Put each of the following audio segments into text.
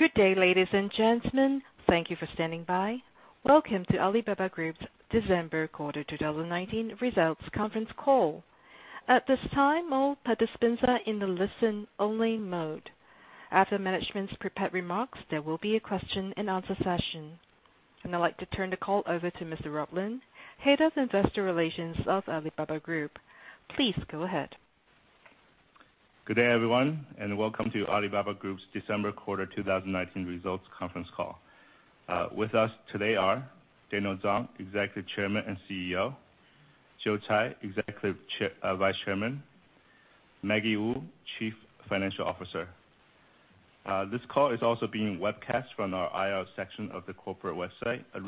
Good day, ladies and gentlemen. Thank you for standing by. Welcome to Alibaba Group's December quarter 2019 results conference call. At this time, all participants are in the listen-only mode. After management's prepared remarks, there will be a question-and-answer session. I'd like to turn the call over to Mr. Rob Lin, Head of Investor Relations of Alibaba Group. Please go ahead. Good day, everyone, and welcome to Alibaba Group's December quarter 2019 results conference call. With us today are Daniel Zhang, Executive Chairman and CEO, Joe Tsai, Executive Vice Chairman, and Maggie Wu, Chief Financial Officer. This call is also being webcast from our IR section of the corporate website. A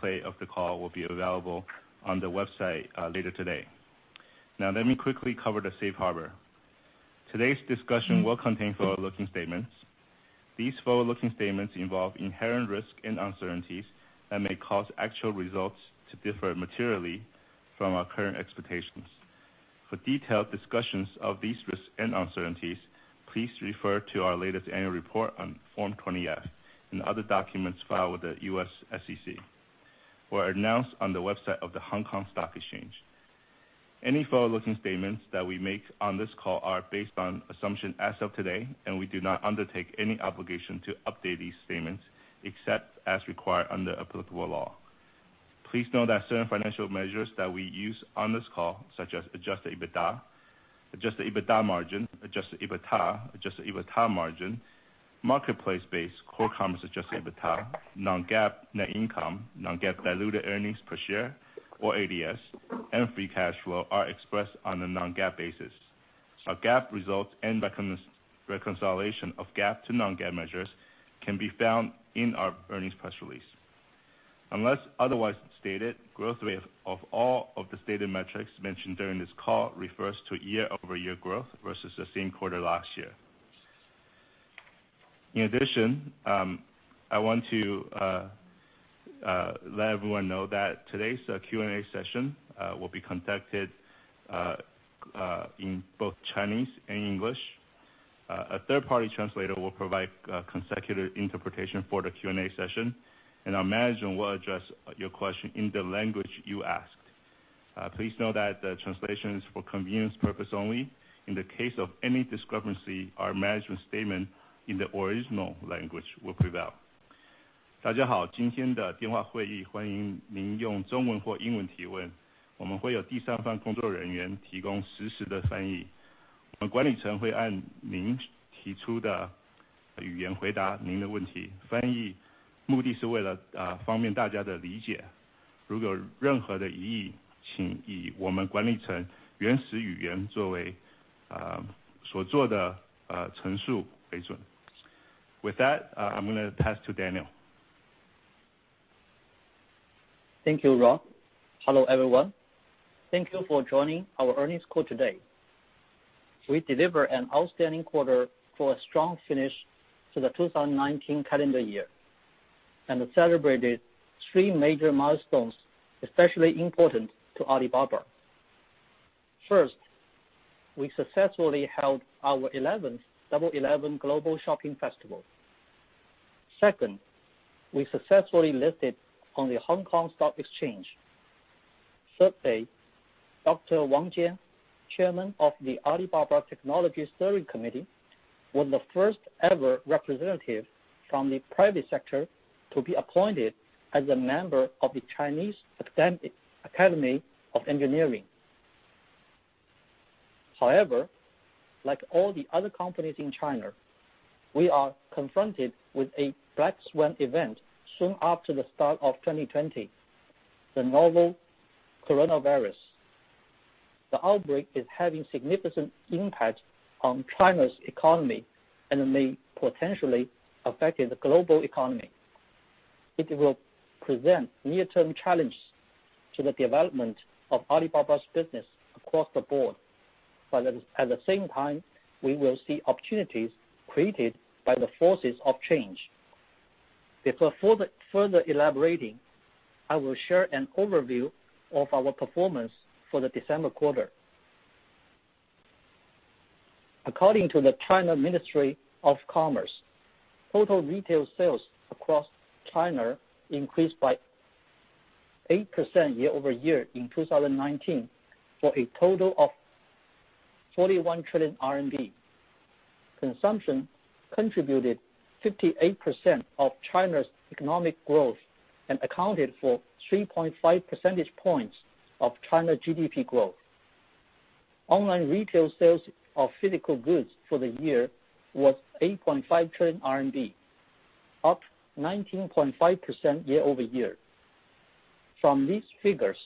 replay of the call will be available on the website later today. Let me quickly cover the Safe Harbor. Today's discussion will contain forward-looking statements. These forward-looking statements involve inherent risks and uncertainties that may cause actual results to differ materially from our current expectations. For detailed discussions of these risks and uncertainties, please refer to our latest annual report on Form 20-F, and other documents filed with the U.S. SEC, or announced on the website of the Hong Kong Stock Exchange. Any forward-looking statements that we make on this call are based on assumptions as of today, and we do not undertake any obligation to update these statements except as required under applicable law. Please note that certain financial measures that we use on this call, such as Adjusted EBITDA, Adjusted EBITDA margin, marketplace-based Core Commerce Adjusted EBITDA, non-GAAP net income, non-GAAP diluted earnings per share or ADS, and free cash flow, are expressed on a non-GAAP basis. Our GAAP results and reconciliation of GAAP to non-GAAP measures can be found in our earnings press release. Unless otherwise stated, the growth rate of all of the stated metrics mentioned during this call refers to year-over-year growth versus the same quarter last year. In addition, I want to let everyone know that today's Q&A session will be conducted in both Chinese and English. A third-party translator will provide consecutive interpretation for the Q&A session, and our management will address your question in the language you asked. Please note that the translation is for convenience purposes only. In the case of any discrepancy, our management's statement in the original language will prevail. With that, I'm going to pass to Daniel. Thank you, Rob. Hello, everyone. Thank you for joining our earnings call today. We delivered an outstanding quarter for a strong finish to the 2019 calendar year, and celebrated three major milestones, especially important to Alibaba. First, we successfully held our 11th 11.11 Global Shopping Festival. Second, we successfully listed on the Hong Kong Stock Exchange. Thirdly, Dr. Wang Jian, Chairman of the Alibaba Technology Steering Committee, was the first ever representative from the private sector to be appointed as a member of the Chinese Academy of Engineering. However, like all the other companies in China, we are confronted with a black swan event soon after the start of 2020, the novel coronavirus. The outbreak is having a significant impact on China's economy and may potentially affect the global economy. It will present near-term challenges to the development of Alibaba's business across the board. At the same time, we will see opportunities created by the forces of change. Before further elaborating, I will share an overview of our performance for the December quarter. According to the China Ministry of Commerce, total retail sales across China increased by 8% year-over-year in 2019 for a total of 41 trillion RMB. Consumption contributed 58% of China's economic growth and accounted for 3.5 percentage points of China's GDP growth. Online retail sales of physical goods for the year were 8.5 trillion RMB, up 19.5% year-over-year. From these figures,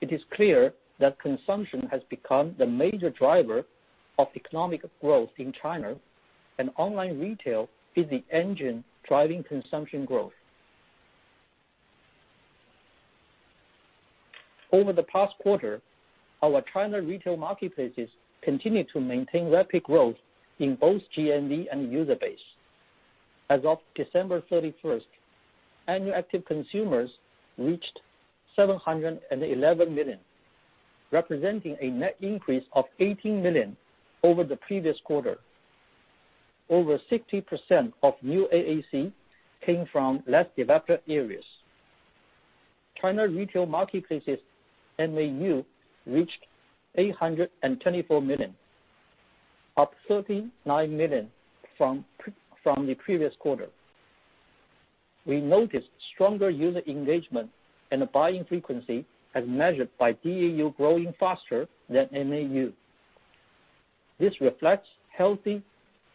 it is clear that consumption has become the major driver of economic growth in China, and online retail is the engine driving consumption growth. Over the past quarter, our China retail marketplaces continued to maintain rapid growth in both GMV and user base. As of December 31st, annual active consumers reached 711 million. Representing a net increase of 18 million over the previous quarter. Over 60% of new AAC came from less developed areas. China retail marketplaces MAU reached 824 million, up 39 million from the previous quarter. We noticed stronger user engagement and buying frequency as measured by DAU growing faster than MAU. This reflects healthy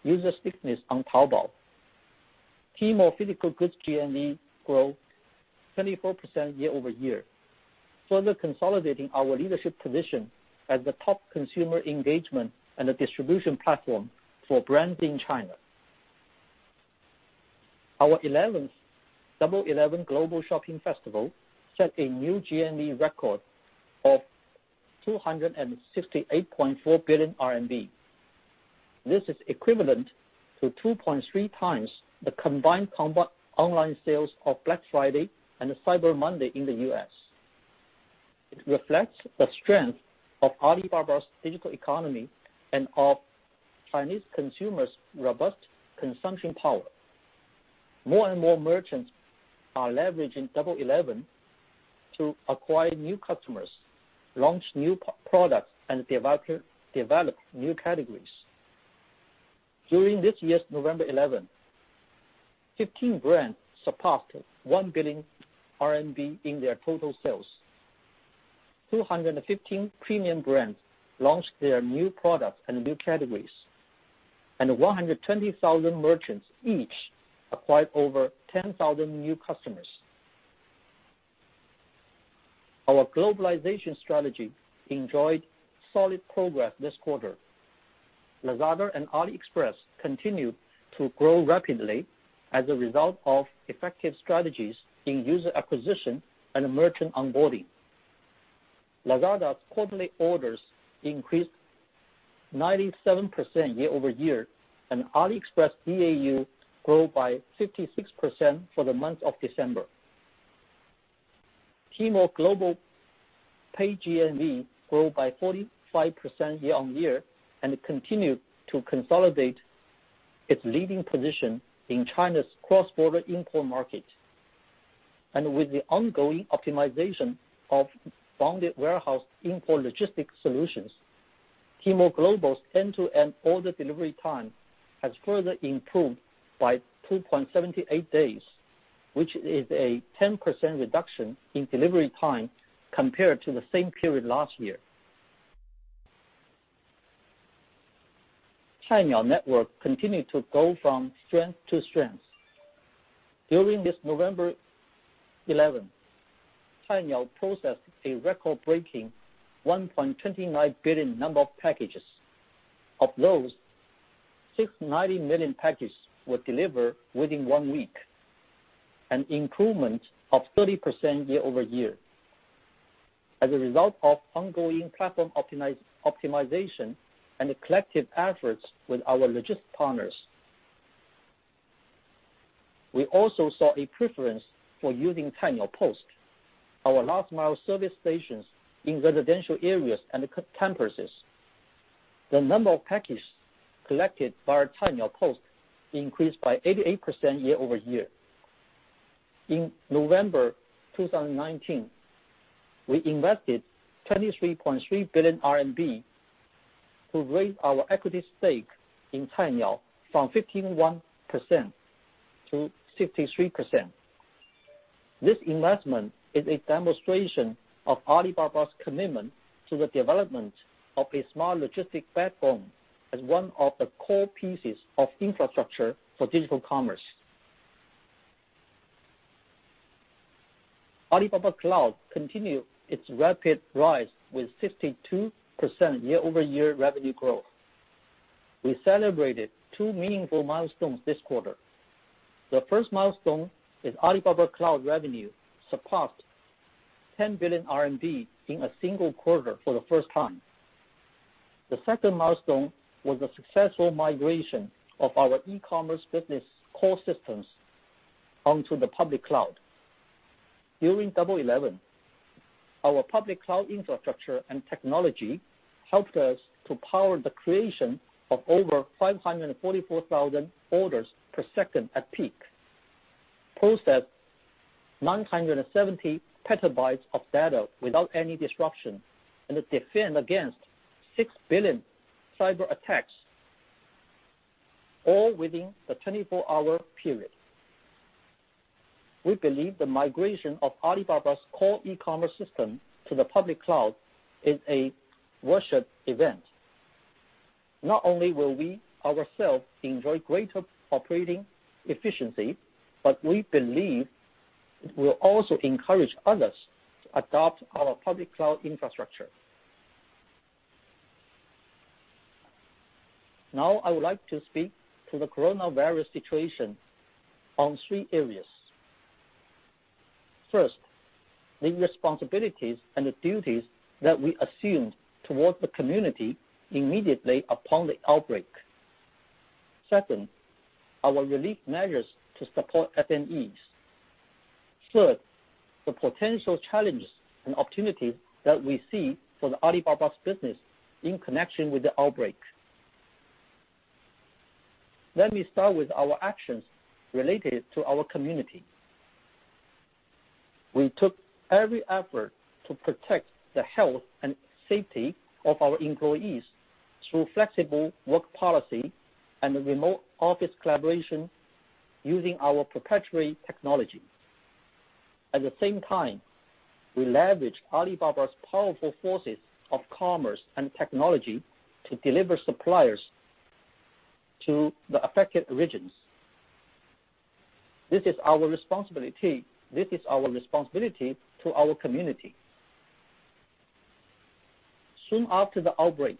user stickiness on Taobao. Tmall physical goods GMV grew 24% year-over-year, further consolidating our leadership position as the top consumer engagement and distribution platform for brands in China. Our 11th 11.11 Global Shopping Festival set a new GMV record of 268.4 billion RMB. This is equivalent to 2.3x the combined online sales of Black Friday and Cyber Monday in the U.S. It reflects the strength of Alibaba's digital economy and of Chinese consumers' robust consumption power. More and more merchants are leveraging 11.11 to acquire new customers, launch new products, and develop new categories. During this year's November 11th, 15 brands surpassed 1 billion RMB in their total sales, 215 premium brands launched their new products and new categories, and 120,000 merchants each acquired over 10,000 new customers. Our globalization strategy enjoyed solid progress this quarter. Lazada and AliExpress continue to grow rapidly as a result of effective strategies in user acquisition and merchant onboarding. Lazada's quarterly orders increased 97% year-over-year, and AliExpress DAU grew by 56% for the month of December. Tmall Global's paid GMV grew by 45% year-on-year, and it continued to consolidate its leading position in China's cross-border import market. With the ongoing optimization of bonded warehouse import logistics solutions, Tmall Global's end-to-end order delivery time has further improved by 2.78 days, which is a 10% reduction in delivery time compared to the same period last year. Cainiao Network continued to go from strength to strength. During this November 11th, Cainiao processed a record-breaking 1.29 billion number of packages. Of those, 690 million packages were delivered within one week, an improvement of 30% year-over-year. As a result of ongoing platform optimization and collective efforts with our logistics partners, we also saw a preference for using Cainiao Post, our last-mile service stations in residential areas and campuses. The number of packages collected by our Cainiao Post increased by 88% year-over-year. In November 2019, we invested 23.3 billion RMB to raise our equity stake in Cainiao from 51% to 63%. This investment is a demonstration of Alibaba's commitment to the development of a smart logistics backbone as one of the core pieces of infrastructure for digital commerce. Alibaba Cloud continued its rapid rise with 52% year-over-year revenue growth. We celebrated two meaningful milestones this quarter. The first milestone is that Alibaba Cloud revenue surpassed 10 billion RMB in a single quarter for the first time. The second milestone was the successful migration of our e-commerce business core systems onto the public cloud. During 11.11, our public cloud infrastructure and technology helped us to power the creation of over 544,000 orders per second at peak, process 970 PB of data without any disruption, and defend against 6 billion cyberattacks, all within the 24-hour period. We believe the migration of Alibaba's core e-commerce system to the public cloud is a watershed event. Not only will we ourselves enjoy greater operating efficiency, but we believe it will also encourage others to adopt our public cloud infrastructure. Now, I would like to speak to the coronavirus situation on three areas. First, the responsibilities and duties that we assumed towards the community immediately upon the outbreak. Second, our relief measures to support SMEs. Third, the potential challenges and opportunities that we see for Alibaba's business in connection with the outbreak. Let me start with our actions related to our community. We took every effort to protect the health and safety of our employees through a flexible work policy and remote office collaboration using our proprietary technology. At the same time, we leveraged Alibaba's powerful forces of commerce and technology to deliver supplies to the affected regions. This is our responsibility to our community. Soon after the outbreak,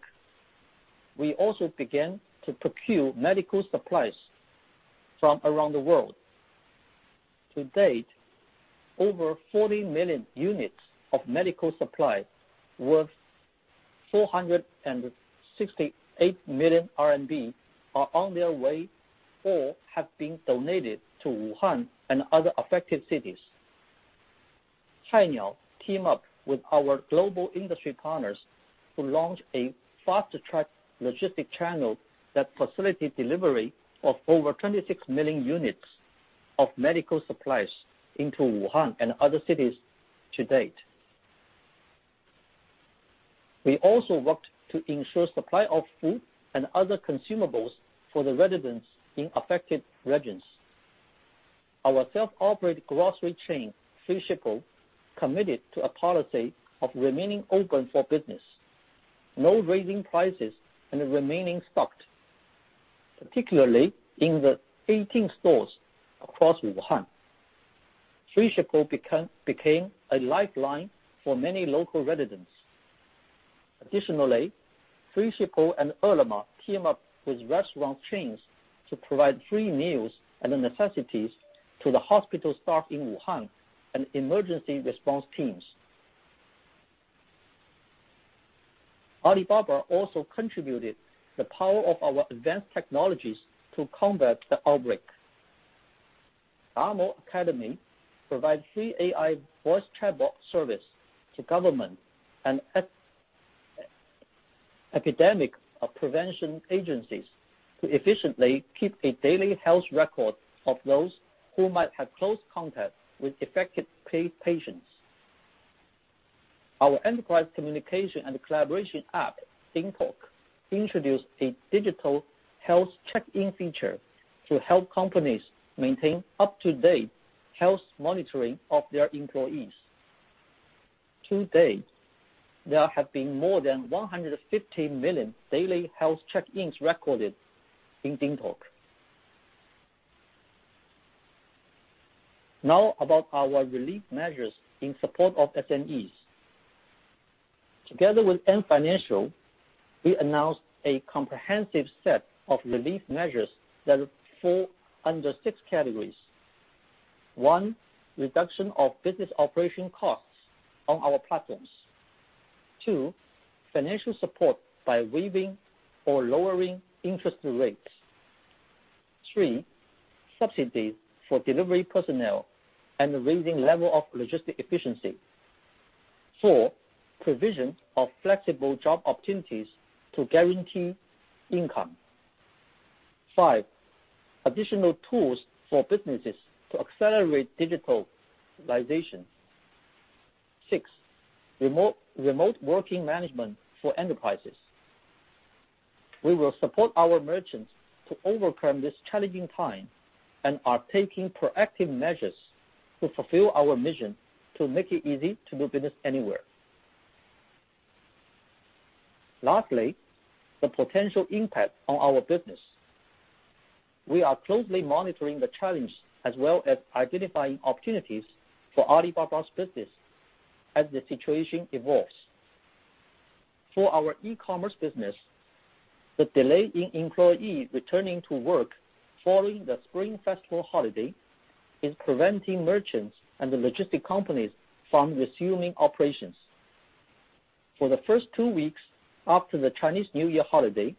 we also began to procure medical supplies from around the world. To date, over 40 million units of medical supplies worth 468 million RMB are on their way or have been donated to Wuhan and other affected cities. Cainiao has teamed up with our global industry partners to launch a fast-track logistics channel that facilitates the delivery of over 26 million units of medical supplies into Wuhan and other cities to date. We also worked to ensure the supply of food and other consumables for the residents in affected regions. Our self-operated grocery chain, Freshippo, is committed to a policy of remaining open for business, not raising prices, and remaining stocked, particularly in the 18 stores across Wuhan. Freshippo became a lifeline for many local residents. Additionally, Freshippo and Ele.me team up with restaurant chains to provide free meals and necessities to the hospital staff in Wuhan and emergency response teams. Alibaba also contributed the power of our advanced technologies to combat the outbreak. DAMO Academy provided a free AI voice chatbot service to government and epidemic prevention agencies to efficiently keep a daily health record of those who might have close contact with affected patients. Our enterprise communication and collaboration app, DingTalk, introduced a digital health check-in feature to help companies maintain up-to-date health monitoring of their employees. To date, there have been more than 150 million daily health check-ins recorded in DingTalk. About our relief measures in support of SMEs. Together with Ant Financial, we announced a comprehensive set of relief measures that fall under six categories. One, reduction of business operation costs on our platforms. Two, financial support by waiving or lowering interest rates. Three, subsidies for delivery personnel and raising the level of logistics efficiency. Four, provision of flexible job opportunities to guarantee income. Five, additional tools for businesses to accelerate digitalization. Six, remote working management for enterprises. We will support our merchants to overcome this challenging time and are taking proactive measures to fulfill our mission to make it easy to do business anywhere. Lastly, the potential impact on our business. We are closely monitoring the challenge as well as identifying opportunities for Alibaba's business as the situation evolves. For our e-commerce business, the delay in employees returning to work following the Spring Festival holiday is preventing merchants and logistics companies from resuming operations. For the first two weeks after the Chinese New Year holiday,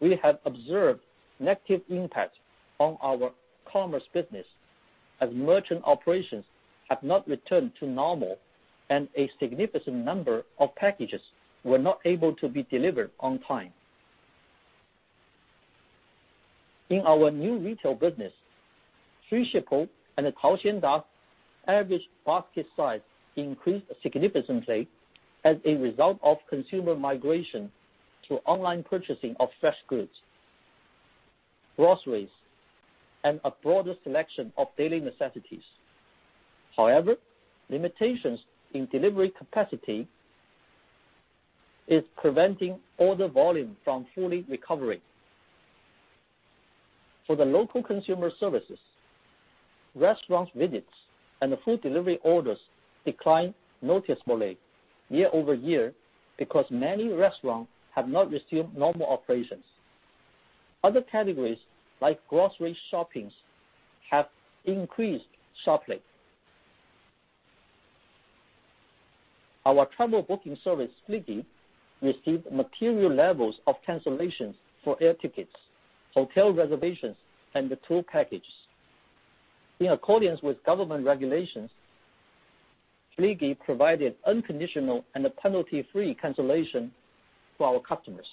we have observed a negative impact on our commerce business as merchant operations have not returned to normal, and a significant number of packages were not able to be delivered on time. In our new retail business, Freshippo and Taoxianda's average basket size increased significantly as a result of consumer migration to online purchasing of fresh goods, groceries, and a broader selection of daily necessities. Limitations in delivery capacity are preventing order volume from fully recovering. For the local consumer services, restaurant visits and food delivery orders declined noticeably year-over-year because many restaurants have not resumed normal operations. Other categories, like grocery shopping, have increased sharply. Our travel booking service, Fliggy, received material levels of cancellations for air tickets, hotel reservations, and tour packages. In accordance with government regulations, Fliggy provided unconditional and penalty-free cancellation to our customers.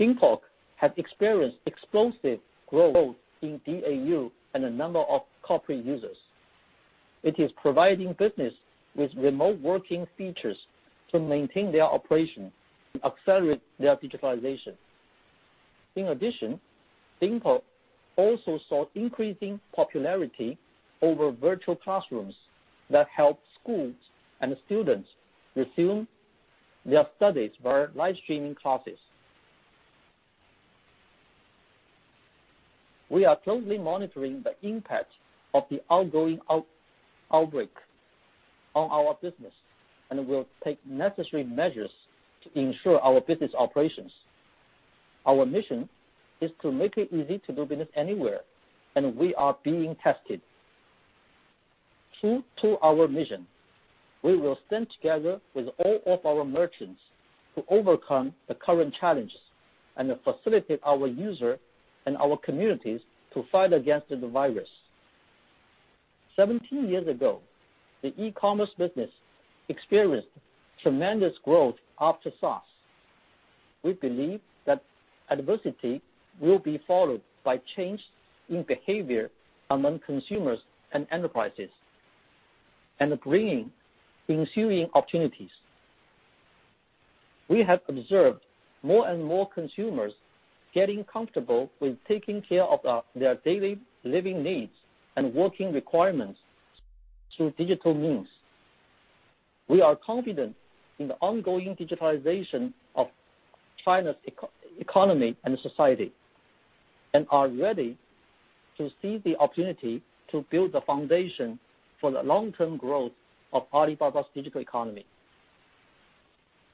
DingTalk has experienced explosive growth in DAU and the number of corporate users. It is providing businesses with remote working features to maintain their operation and accelerate their digitalization. In addition, DingTalk also saw increasing popularity over virtual classrooms that helped schools and students resume their studies via live streaming classes. We are closely monitoring the impact of the ongoing outbreak on our business, and we'll take necessary measures to ensure our business operations. Our mission is to make it easy to do business anywhere, and we are being tested. True to our mission, we will stand together with all of our merchants to overcome the current challenges and facilitate our users and our communities to fight against the virus. 17 years ago, the e-commerce business experienced tremendous growth after SARS. We believe that adversity will be followed by a change in behavior among consumers and enterprises, bringing ensuing opportunities. We have observed more and more consumers getting comfortable with taking care of their daily living needs and working requirements through digital means. We are confident in the ongoing digitalization of China's economy and society, and are ready to seize the opportunity to build the foundation for the long-term growth of Alibaba's digital economy.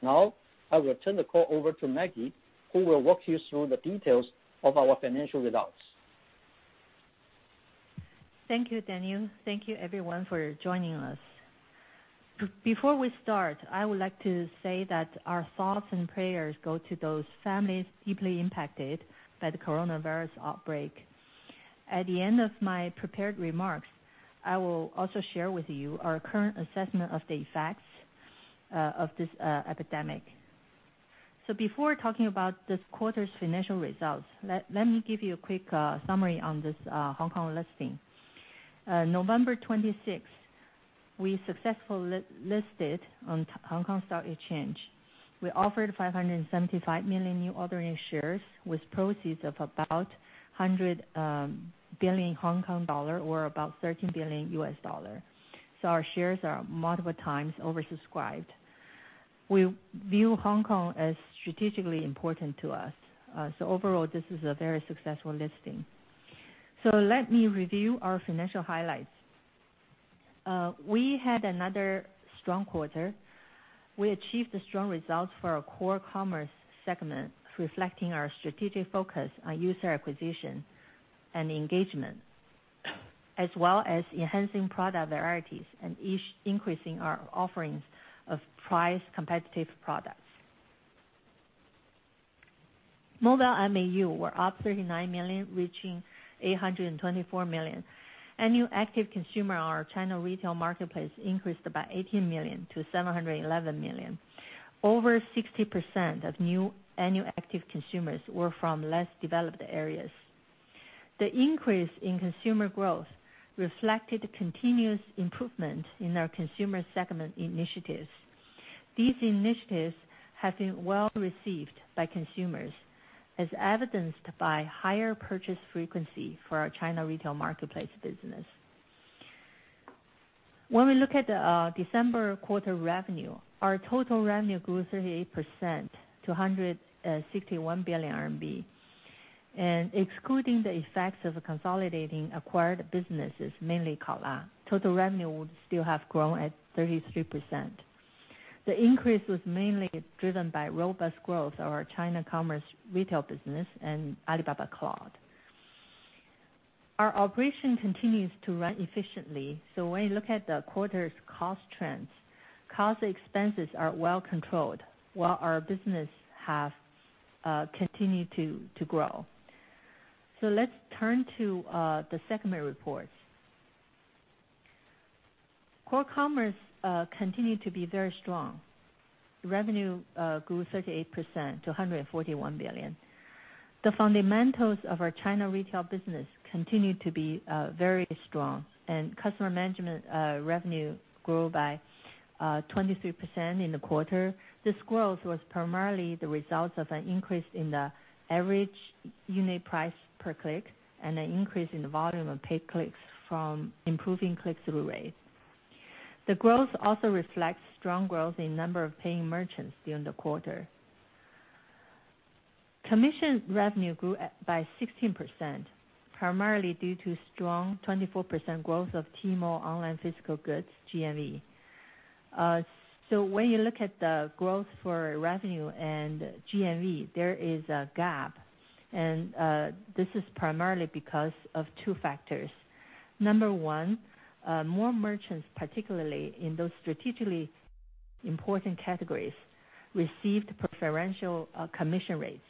Now, I will turn the call over to Maggie, who will walk you through the details of our financial results. Thank you, Daniel. Thank you, everyone, for joining us. Before we start, I would like to say that our thoughts and prayers go to those families deeply impacted by the coronavirus outbreak. At the end of my prepared remarks, I will also share with you our current assessment of the effects of this epidemic. Before talking about this quarter's financial results, let me give you a quick summary of this Hong Kong listing. November 26th, we successfully listed on the Hong Kong Stock Exchange. We offered 575 million new ordinary shares with proceeds of about 100 billion Hong Kong dollar, or about $13 billion. Our shares are multiple times oversubscribed. We view Hong Kong as strategically important to us. Overall, this is a very successful listing. Let me review our financial highlights. We had another strong quarter. We achieved strong results for our Core Commerce segment, reflecting our strategic focus on user acquisition and engagement, as well as enhancing product varieties and increasing our offerings of price-competitive products. Mobile MAU were up 39 million, reaching 824 million. Annual active consumers on our China retail marketplace increased by 18 million to 711 million. Over 60% of new annual active consumers were from less developed areas. The increase in consumer growth reflected continuous improvement in our consumer segment initiatives. These initiatives have been well received by consumers, as evidenced by higher purchase frequency for our China retail marketplace business. When we look at the December quarter revenue, our total revenue grew 38% to 161 billion RMB. Excluding the effects of consolidating acquired businesses, mainly Kaola, total revenue would still have grown at 33%. The increase was mainly driven by the robust growth of our China commerce retail business and Alibaba Cloud. Our operation continues to run efficiently. When you look at the quarter's cost trends, costs are well controlled while our business has continued to grow. Let's turn to the segment reports. Core Commerce continued to be very strong. Revenue grew 38% to 141 billion. The fundamentals of our China retail business continued to be very strong, and customer management revenue grew by 23% in the quarter. This growth was primarily the result of an increase in the average unit price per click and an increase in the volume of paid clicks from improving the click-through rate. The growth also reflects strong growth in the number of paying merchants during the quarter. Commission revenue grew by 16%, primarily due to the strong 24% growth of Tmall online physical goods GMV. When you look at the growth for revenue and GMV, there is a gap. This is primarily because of two factors. Number one, more merchants, particularly in those strategically important categories, received preferential commission rates.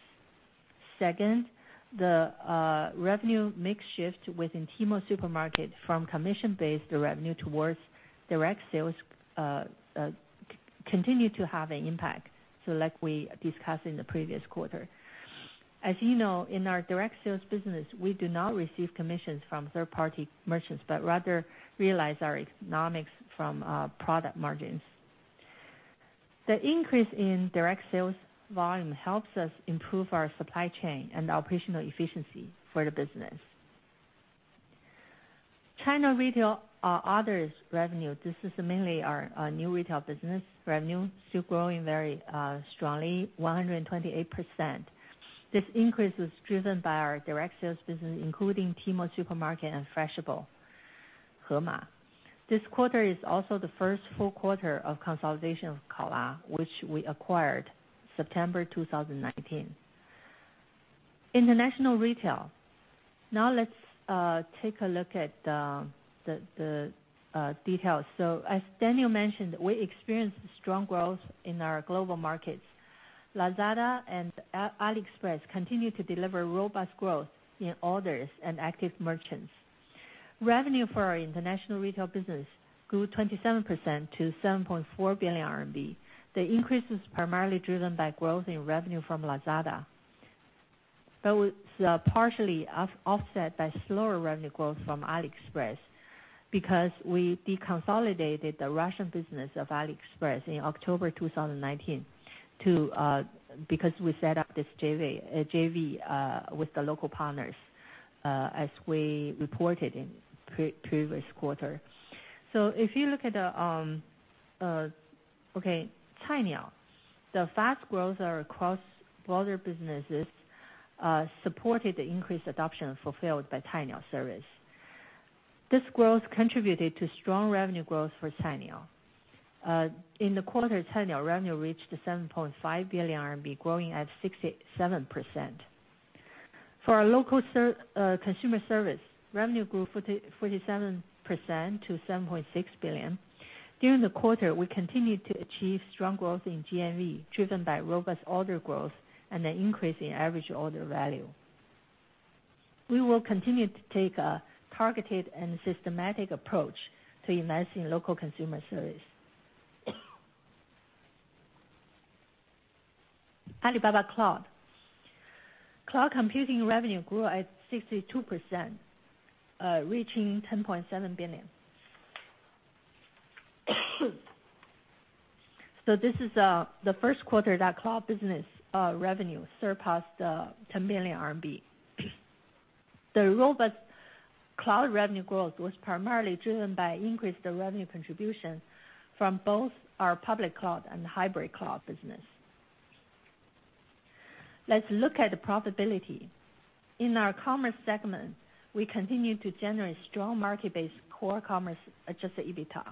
Second, the revenue mix shift within Tmall Supermarket from commission-based revenue towards direct sales continued to have an impact, as we discussed in the previous quarter. As you know, in our direct sales business, we do not receive commissions from third-party merchants, but rather realize our economics from product margins. The increase in direct sales volume helps us improve our supply chain and operational efficiency for the business. China Retail Others' revenue—this is mainly our new retail business revenue—is still growing very strongly, 128%. This increase was driven by our direct sales business, including Tmall Supermarket and Freshippo. This quarter is also the first full quarter of the consolidation of Kaola, which we acquired in September 2019. International retail. Now let's take a look at the details. As Daniel mentioned, we experienced strong growth in our global markets. Lazada and AliExpress continue to deliver robust growth in orders and active merchants. Revenue for our International Retail business grew 27% to 7.4 billion RMB. The increase is primarily driven by growth in revenue from Lazada. It's partially offset by slower revenue growth from AliExpress because we deconsolidated the Russian business of AliExpress in October 2019 because we set up this JV with the local partners, as we reported in the previous quarter. If you look at Cainiao, the fast growth across border businesses supported the increased adoption fulfilled by Cainiao's service. This growth contributed to strong revenue growth for Cainiao. In the quarter, Cainiao revenue reached 7.5 billion RMB, growing at 67%. For our local consumer service, revenue grew 47% to 7.6 billion. During the quarter, we continued to achieve strong growth in GMV, driven by robust order growth and an increase in average order value. We will continue to take a targeted and systematic approach to investing in local consumer service. Alibaba Cloud. Cloud computing revenue grew at 62%, reaching 10.7 billion. This is the first quarter that cloud business revenue surpassed 10 billion RMB. The robust cloud revenue growth was primarily driven by increased revenue contribution from both our public cloud and hybrid cloud businesses. Let's look at the profitability. In our Commerce segment, we continue to generate strong market-based Core Commerce Adjusted EBITDA,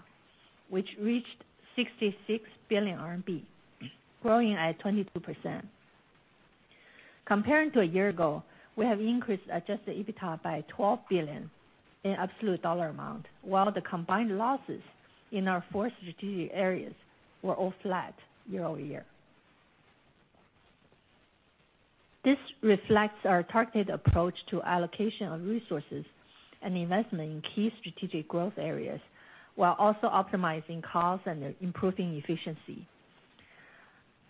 which reached 66 billion RMB, growing at 22%. Comparing to a year ago, we have increased Adjusted EBITDA by 12 billion in absolute amount, while the combined losses in our four strategic areas were all flat year-over-year. This reflects our targeted approach to allocation of resources and investment in key strategic growth areas, while also optimizing costs and improving efficiency.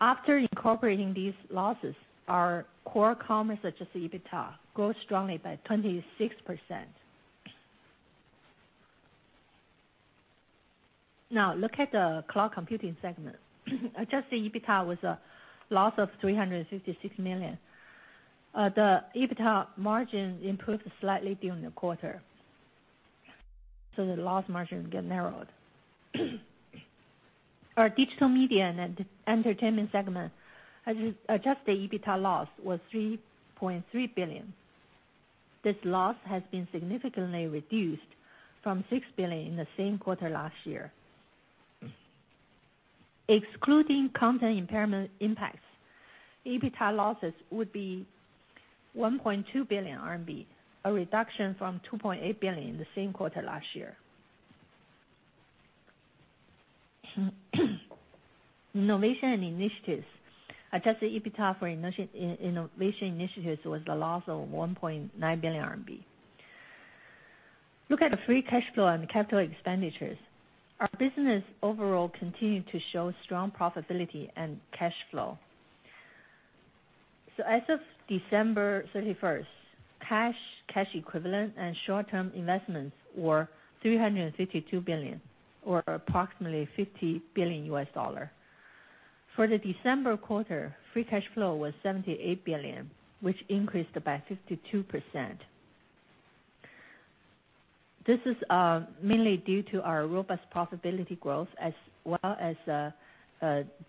After incorporating these losses, our Core Commerce Adjusted EBITDA grew strongly by 26%. Look at the Cloud Computing segment. Adjusted EBITDA was a loss of 356 million. The EBITDA margin improved slightly during the quarter, and the loss margin narrowed. Our Digital Media and Entertainment segment Adjusted EBITDA loss was 3.3 billion. This loss has been significantly reduced from 6 billion in the same quarter last year. Excluding content impairment impacts, EBITDA losses would be 1.2 billion RMB, a reduction from 2.8 billion in the same quarter last year. Innovation Initiatives. Adjusted EBITDA for Innovation Initiatives was a loss of 1.9 billion RMB. Look at the free cash flow and capital expenditures. Our business overall continued to show strong profitability and cash flow. As of December 31st, cash, cash equivalents, and short-term investments were 352 billion or approximately $50 billion. For the December quarter, free cash flow was 78 billion, which increased by 52%. This is mainly due to our robust profitability growth as well as a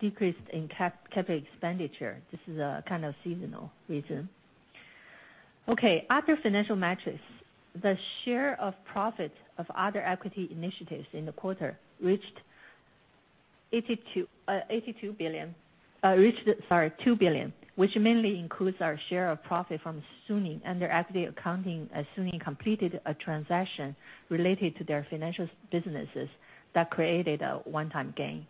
decrease in capital expenditure. This is a kind of seasonal reason. Other financial metrics. The share of profit of other equity investees in the quarter reached 2 billion, which mainly includes our share of profit from Suning under equity accounting, as Suning completed a transaction related to their financial businesses that created a one-time gain.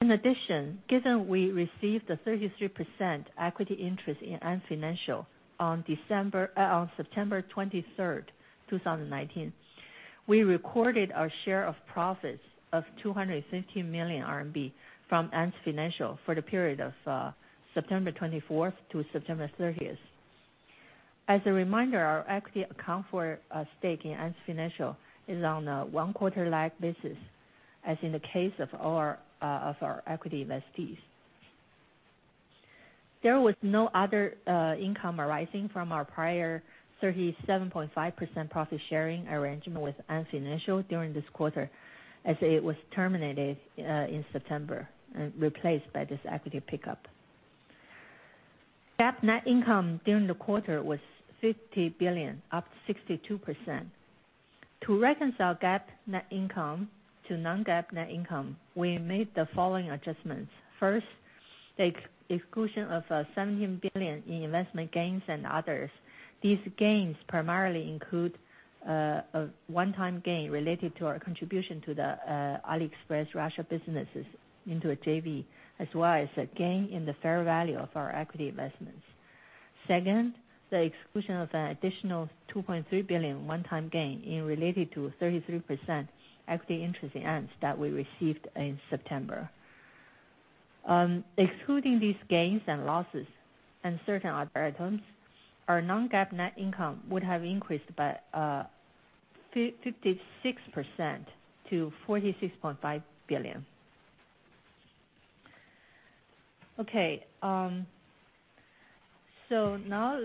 In addition, given that we received a 33% equity interest in Ant Financial on September 23rd, 2019, we recorded a share of profits of 250 million RMB from Ant Financial for the period of September 24th to September 30th. As a reminder, our equity account for a stake in Ant Financial is on a one-quarter lag basis, as in the case of our equity investees. There was no other income arising from our prior 37.5% profit-sharing arrangement with Ant Financial during this quarter, as it was terminated in September and replaced by this equity pickup. GAAP net income during the quarter was 50 billion, up 62%. To reconcile GAAP net income to non-GAAP net income, we made the following adjustments. First, the exclusion of 17 billion in investment gains and others. These gains primarily include a one-time gain related to our contribution to the AliExpress Russia businesses into a JV, as well as a gain in the fair value of our equity investments. Second, the exclusion of an additional 2.3 billion one-time gain related to 33% equity interest in Ant Financial that we received in September. Excluding these gains and losses and certain other items, our non-GAAP net income would have increased by 56% to RMB 46.5 billion. Now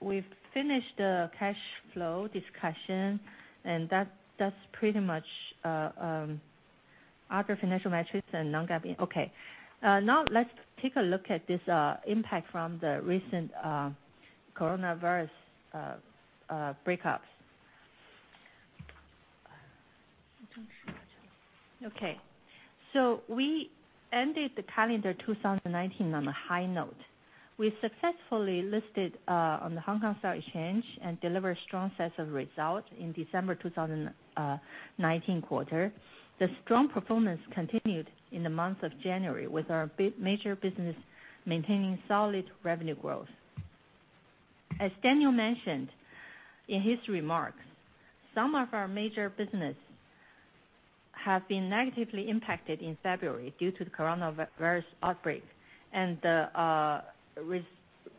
we've finished the cash flow discussion, and that's pretty much the other financial metrics and non-GAAP. Now let's take a look at this impact from the recent coronavirus outbreaks. We ended the calendar year 2019 on a high note. We successfully listed on the Hong Kong Stock Exchange and delivered a strong set of results in the December 2019 quarter. The strong performance continued in the month of January, with our major business maintaining solid revenue growth. As Daniel mentioned in his remarks, some of our major businesses were negatively impacted in February due to the coronavirus outbreak and the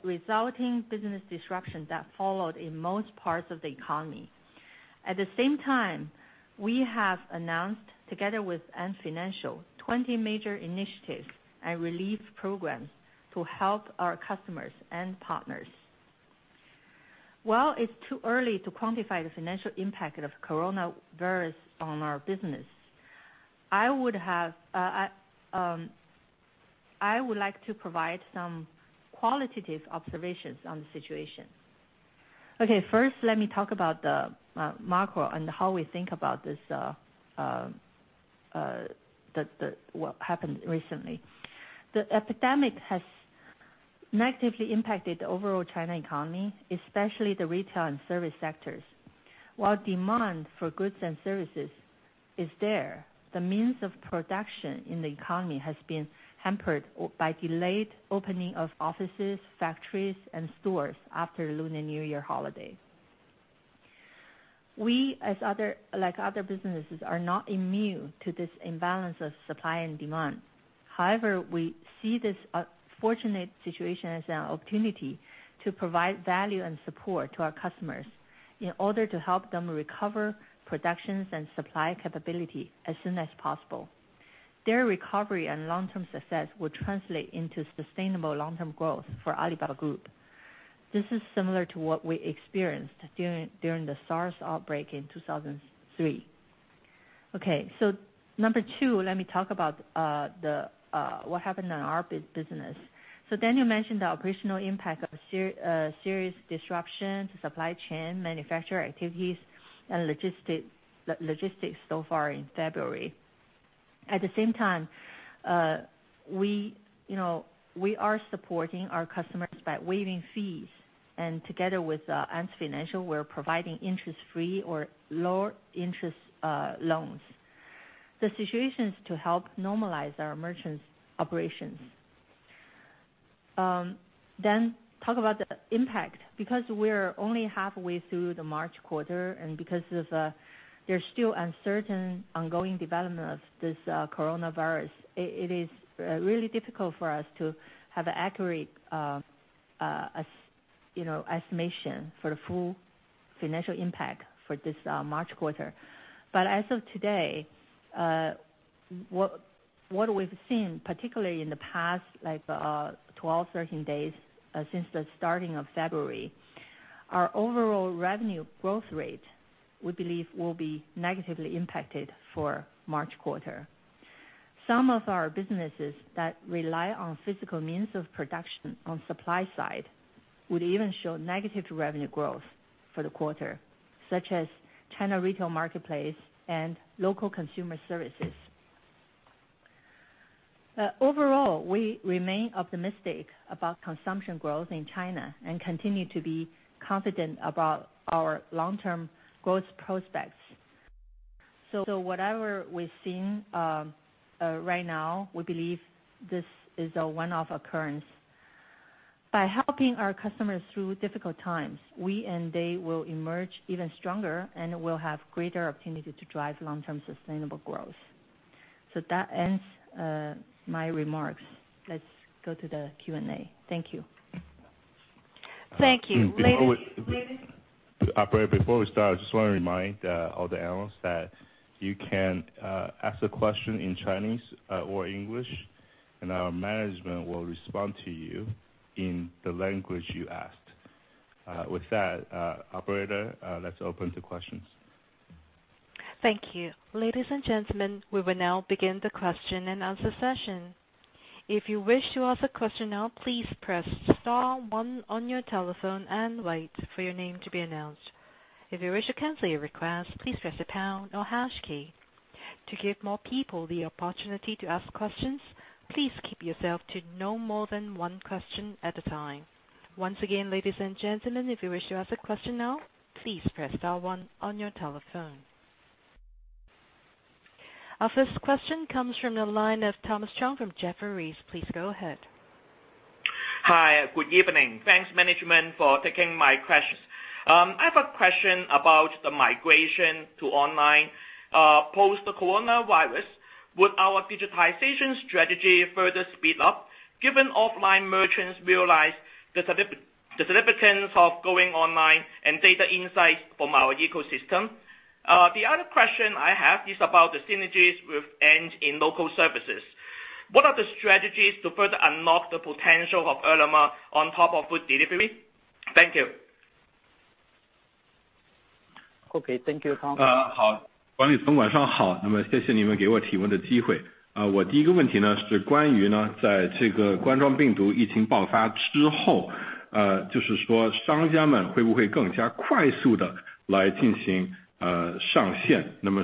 resulting business disruption that followed in most parts of the economy. At the same time, we have announced together with Ant Financial 20 major initiatives and relief programs to help our customers and partners. While it's too early to quantify the financial impact of the coronavirus on our business, I would like to provide some qualitative observations on the situation. Okay, first, let me talk about the macro and how we think about what happened recently. The epidemic has negatively impacted the overall Chinese economy, especially the retail and service sectors. While demand for goods and services is there, the means of production in the economy has been hampered by the delayed opening of offices, factories, and stores after the Lunar New Year holiday. We, like other businesses, are not immune to this imbalance of supply and demand. However, we see this unfortunate situation as an opportunity to provide value and support to our customers in order to help them recover production and supply capability as soon as possible. Their recovery and long-term success will translate into sustainable long-term growth for Alibaba Group. This is similar to what we experienced during the SARS outbreak in 2003. Okay. Number two, let me talk about what happened in our business. Daniel mentioned the operational impact of serious disruption to the supply chain, manufacturer activities, and logistics so far in February. At the same time, we are supporting our customers by waiving fees. Together with Ant Financial, we're providing interest-free or lower-interest loans. The situation is to help normalize our merchants' operations. Talk about the impact. Because we're only halfway through the March quarter, and because there's still uncertain ongoing development of this coronavirus, it is really difficult for us to have an accurate estimation for the full financial impact for this March quarter. As of today, what we've seen, particularly in the past 12-13 days since the start of February. Our overall revenue growth rate, we believe, will be negatively impacted for the March quarter. Some of our businesses that rely on physical means of production on the supply side would even show negative revenue growth for the quarter, such as the China retail marketplace and local consumer services. Overall, we remain optimistic about consumption growth in China and continue to be confident about our long-term growth prospects. Whatever we're seeing right now, we believe this is a one-off occurrence. By helping our customers through difficult times, we and they will emerge even stronger and will have greater opportunity to drive long-term sustainable growth. That ends my remarks. Let's go to the Q&A. Thank you. Thank you. Operator, before we start, I just want to remind all the analysts that you can ask a question in Chinese or English, and our management will respond to you in the language you asked. With that, operator, let's open to questions. Thank you. Ladies and gentlemen, we will now begin the question-and-answer session. If you wish to ask a question now, please press star one on your telephone and wait for your name to be announced. If you wish to cancel your request, please press the pound or hash key. To give more people the opportunity to ask questions, please keep yourself to no more than one question at a time. Once again, ladies and gentlemen, if you wish to ask a question now, please press star one on your telephone. Our first question comes from the line of Thomas Chong from Jefferies. Please go ahead. Hi. Good evening. Thanks, management, for taking my questions. I have a question about the migration to online. Post the coronavirus, would our digitization strategy further speed up, given that offline merchants realize the significance of going online and data insights from our ecosystem? The other question I have is about the synergies with Ant Financial in local services. What are the strategies to further unlock the potential of Ele.me on top of food delivery? Thank you. Okay. Thank you, Thomas.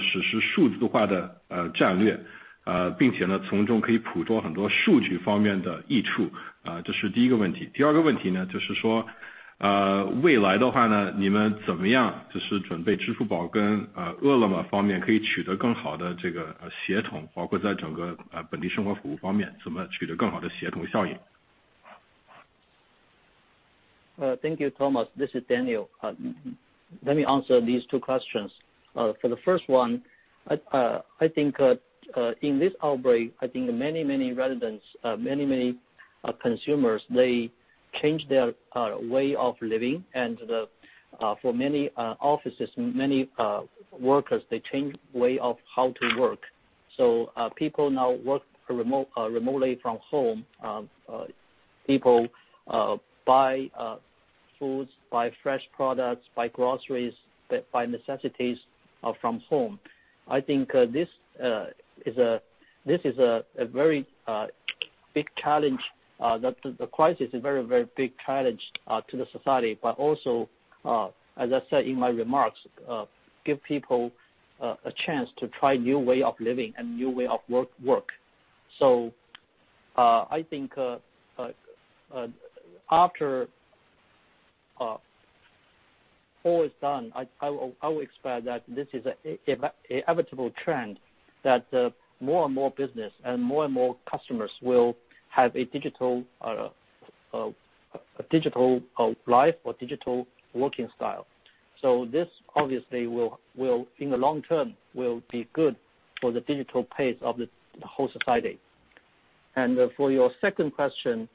This is Daniel. Let me answer these two questions. For the first one, I think in this outbreak, many residents, many consumers, they change their way of living, and for many offices, many workers, they change the way of how to work. People now work remotely from home. People buy food, buy fresh products, buy groceries, and buy necessities from home. I think this is a very big challenge. The crisis is a very big challenge to society, also, as I said in my remarks, give people a chance to try a new way of living and a new way of work. I think after all is done, I will expect that this is an inevitable trend that more and more businesses and more and more customers will have a digital life or digital working style. This, obviously, in the long term, will be good for the digital pace of the whole society. For your second question.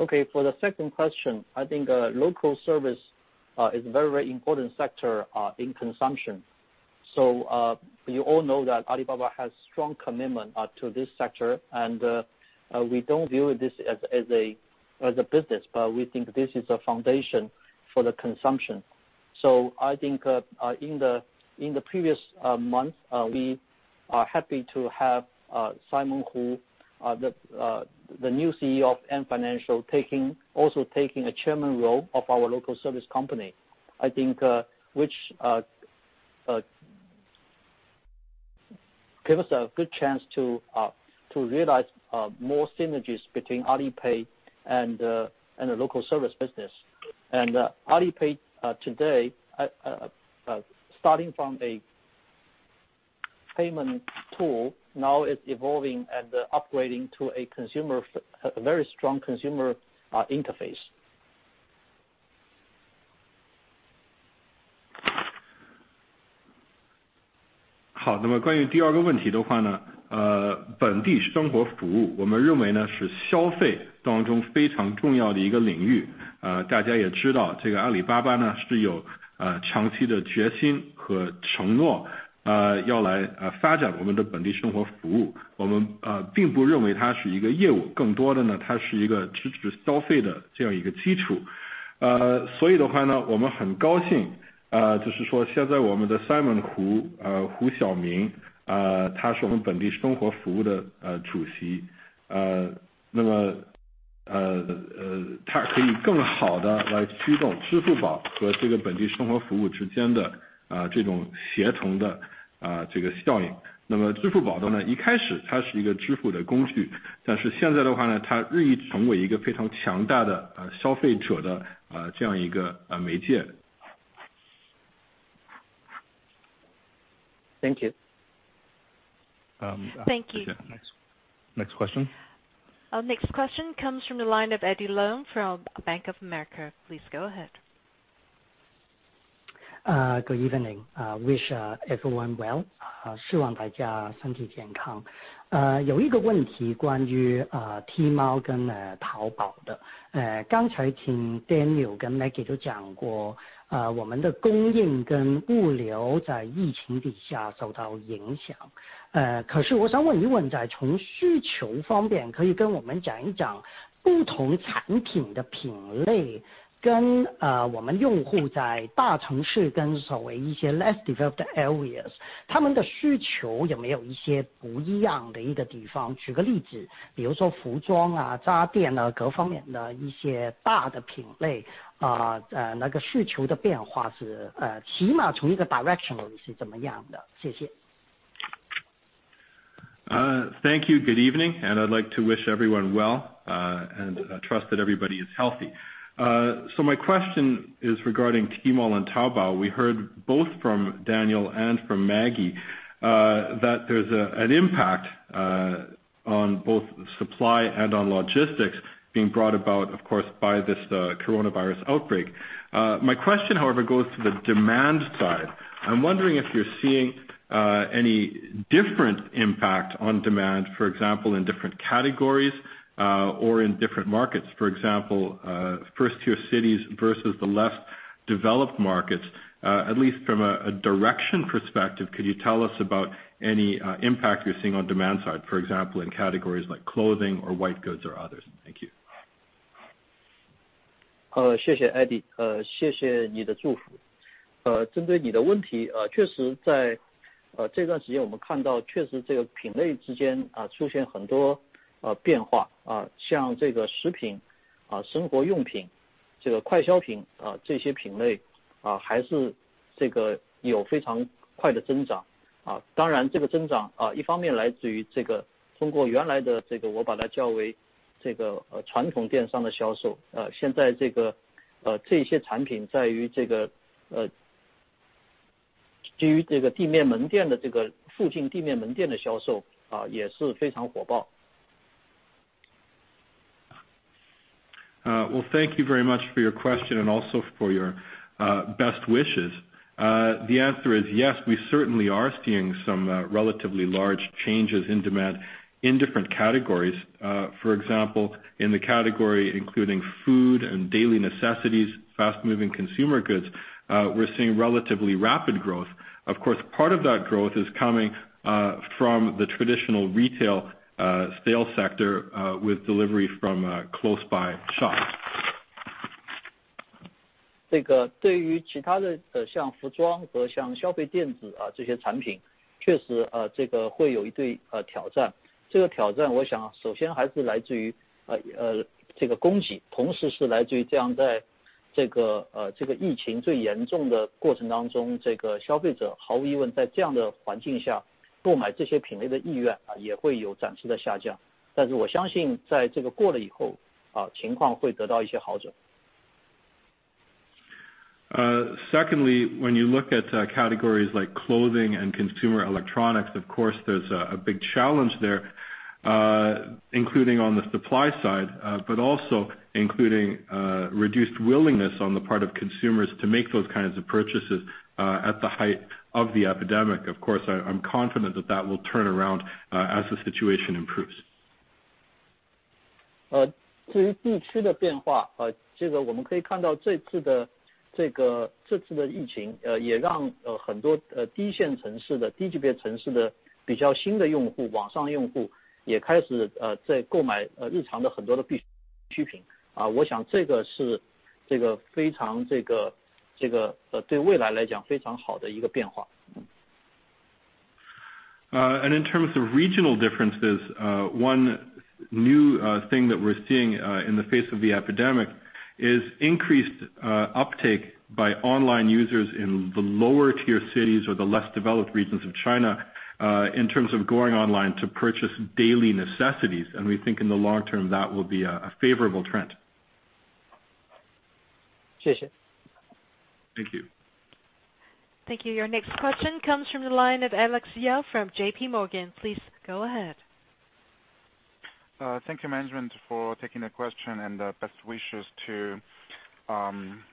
Okay, for the second question, I think local service is a very important sector in consumption. You all know that Alibaba has a strong commitment to this sector, and we don't view this as a business, but we think this is a foundation for consumption. I think in the previous month, we were happy to have Simon Hu, the new CEO of Ant Financial, also taking the Chairman role of our local service company, which gives us a good chance to realize more synergies between Alipay and the local service business. Alipay today, starting from a payment tool, is evolving and upgrading to a very strong consumer interface. 好，那么关于第二个问题，本地生活服务我们认为是消费当中非常重要的一个领域。大家也知道，阿里巴巴是有长期的决心和承诺要来发展我们的本地生活服务。我们并不认为它是一个业务，更多的它是一个支持消费的基础。所以我们很高兴，现在我们的Simon Hu，胡晓明，他是我们本地生活服务的主席。他可以更好地来驱动支付宝和本地生活服务之间的协同的效应。那么支付宝一开始是一个支付的工具，但是现在它日益成为一个非常强大的消费者的媒介。Thank you. Thank you. Next question. Next question comes from the line of Eddie Leung from Bank of America. Please go ahead. Good evening. Wish everyone well。希望大家身体健康。有一个问题关于Tmall跟淘宝的。刚才听Daniel跟Maggie都讲过，我们的供应跟物流在疫情底下受到影响。可是我想问一问，从需求方面可以跟我们讲一讲不同产品的品类，跟我们用户在大城市跟所谓一些less developed areas，他们的需求有没有一些不一样的地方？举个例子，比如说服装、家电各方面的一些大的品类，那个需求的变化是，起码从一个direction是怎么样的？谢谢。Thank you. Good evening, and I'd like to wish everyone well and trust that everybody is healthy. My question is regarding Tmall and Taobao. We heard both from Daniel and from Maggie that there's an impact on both supply and on logistics being brought about, of course, by this coronavirus outbreak. My question, however, goes to the demand side. I'm wondering if you're seeing any different impact on demand, for example, in different categories or in different markets, for example, first-tier cities versus the less developed markets, at least from a direction perspective. Could you tell us about any impact you're seeing on the demand side, for example, in categories like clothing, white goods, or others? Thank you. Well, thank you very much for your question and also for your best wishes. The answer is yes, we certainly are seeing some relatively large changes in demand in different categories. For example, in the category including food and daily necessities, fast-moving consumer goods, we're seeing relatively rapid growth. Of course, part of that growth is coming from the traditional retail sales sector with delivery from nearby shops. 对于其他的像服装和像消费电子这些产品，确实会有一堆挑战。这个挑战我想首先还是来自于供给，同时是来自于在疫情最严重的过程当中，消费者毫无疑问在这样的环境下，购买这些品类的意愿也会有暂时的下降。但是我相信在这个过了以后，情况会得到一些好转。Secondly, when you look at categories like clothing and consumer electronics, of course, there's a big challenge there, including on the supply side, also including reduced willingness on the part of consumers to make those kinds of purchases at the height of the epidemic. Of course, I'm confident that that will turn around as the situation improves. 至于地区的变化，我们可以看到这次的疫情也让很多低线城市的、低级别城市的比较新的网上用户也开始在购买日常的很多的必需品。我想这是对未来来讲非常好的一个变化。In terms of regional differences, one new thing that we are seeing in the face of the epidemic is increased uptake by online users in the lower-tier cities or the less developed regions of China, in terms of going online to purchase daily necessities. We think in the long term that will be a favorable trend. 谢谢。Thank you. Thank you. Your next question comes from the line of Alex Yao from JPMorgan. Please go ahead. Thank you, management, for taking the question, and best wishes for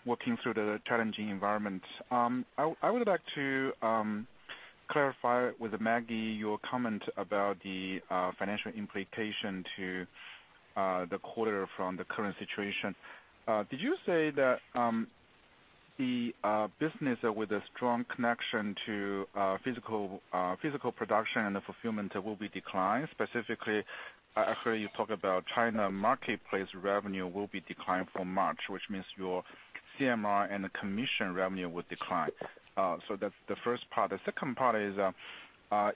working through the challenging environment. I would like to clarify with Maggie your comment about the financial implications to the quarter from the current situation. Did you say that the business with a strong connection to physical production and fulfillment will decline? Specifically, I heard you talk about China commerce retail revenue will decline from March, which means your CMR and the commission revenue will decline? That's the first part. The second part is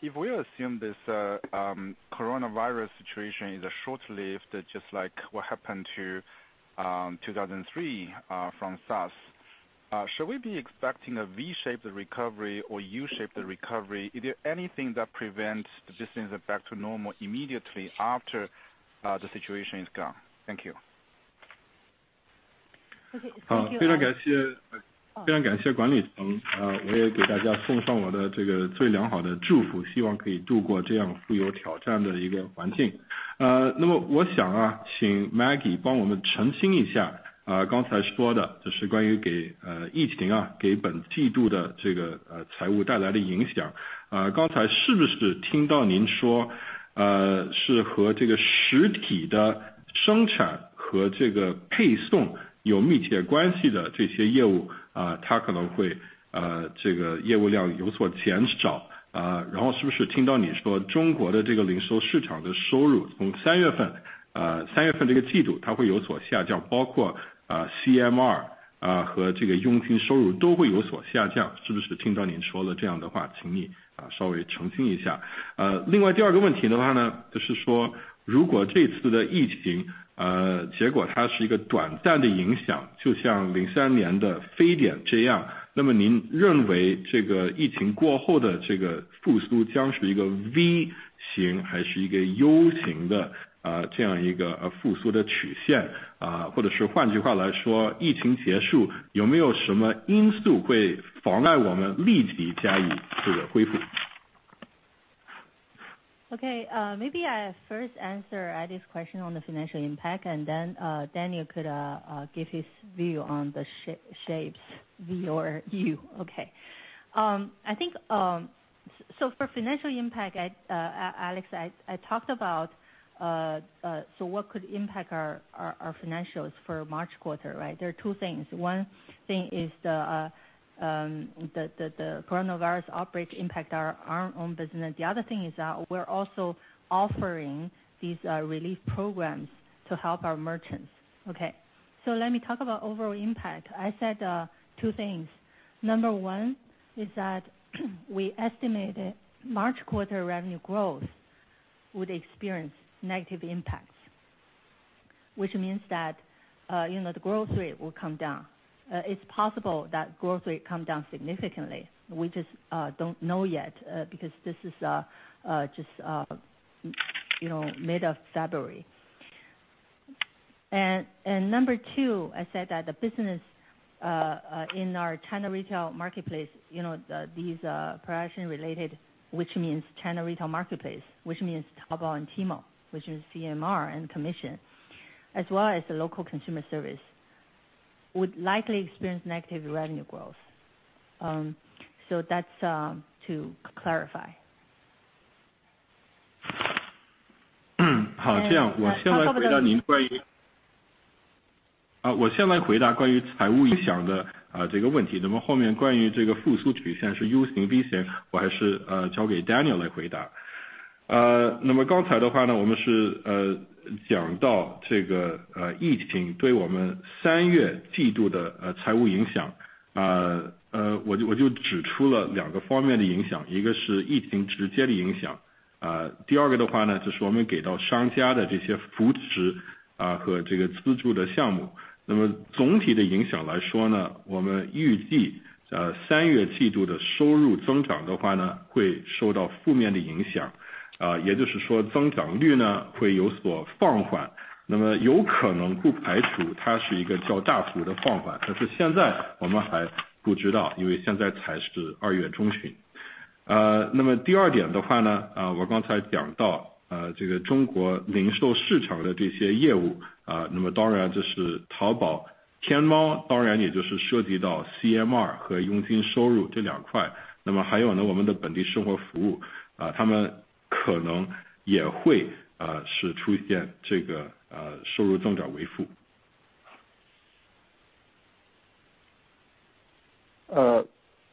if we assume this coronavirus situation is short-lived, just like what happened in 2003 with SARS. Should we be expecting a V-shape recovery or a U-shape recovery? Is there anything that prevents business back to normal immediately after the situation is gone? Thank you. OK, thank you, Alex. OK, maybe I will first answer this question on the financial impact, and then Daniel could give his view on the shapes, V or U. Okay. So, for financial impact, Alex, I talked about what could impact our financials for the March quarter, right? There are two things. One thing is that the coronavirus outbreak has impacted our own business. The other thing is that we are also offering these relief programs to help our merchants. OK, let me talk about the overall impact. I said two things. Number one is that we estimated the March quarter revenue growth would experience negative impacts, which means that the growth rate will come down. It's possible that the growth rate comes down significantly. We just don't know yet, because this is just mid of February. Number two, I said that the business in our China commerce retail, these production-related, which means China retail marketplace, which means Taobao and Tmall, which is CMR and commission, as well as the local consumer service, would likely experience negative revenue growth. That's to clarify.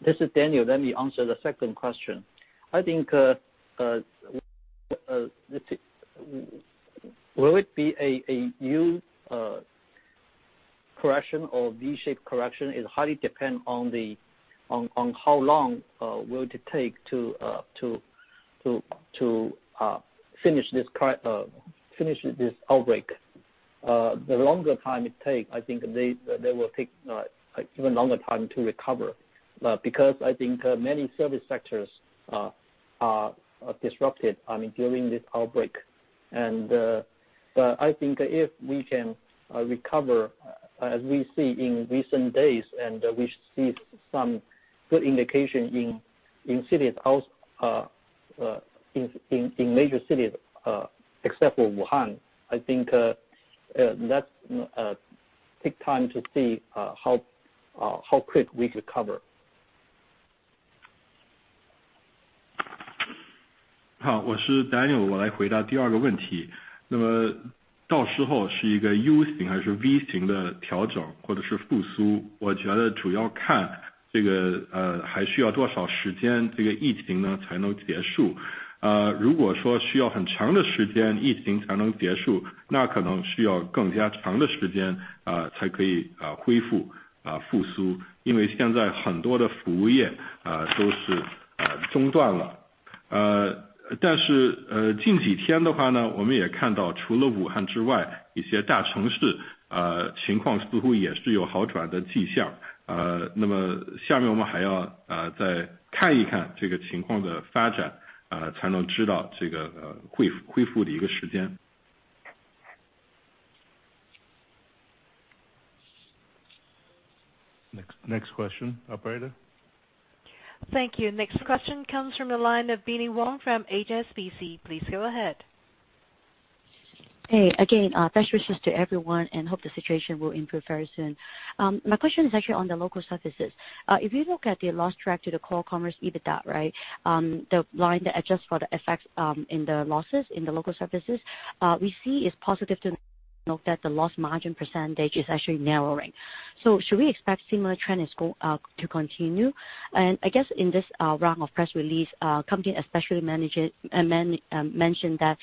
This is Daniel. Let me answer the second question. I think whether it will be a U-shaped correction or a V-shaped correction is highly dependent on how long it will take to finish this outbreak. The longer it takes, I think it will take even longer time to recover. Because I think many service sectors are disrupted during this outbreak. I think if we can recover, as we see in recent days, and we see some good indication in major cities except for Wuhan, I think let's take time to see how quickly we could recover. Next question, operator. Thank you. Next question comes from the line of Binnie Wong from HSBC. Please go ahead. Hey again, best wishes to everyone, and hope the situation will improve very soon. My question is actually on the local services. If you look at the loss drag to the Core Commerce EBITDA, the line that adjusts for the effects in the losses in the local services, we see is positive that the loss margin percentage is actually narrowing. Should we expect a similar trend is going to continue? I guess in this round of press release, the company especially mentioned that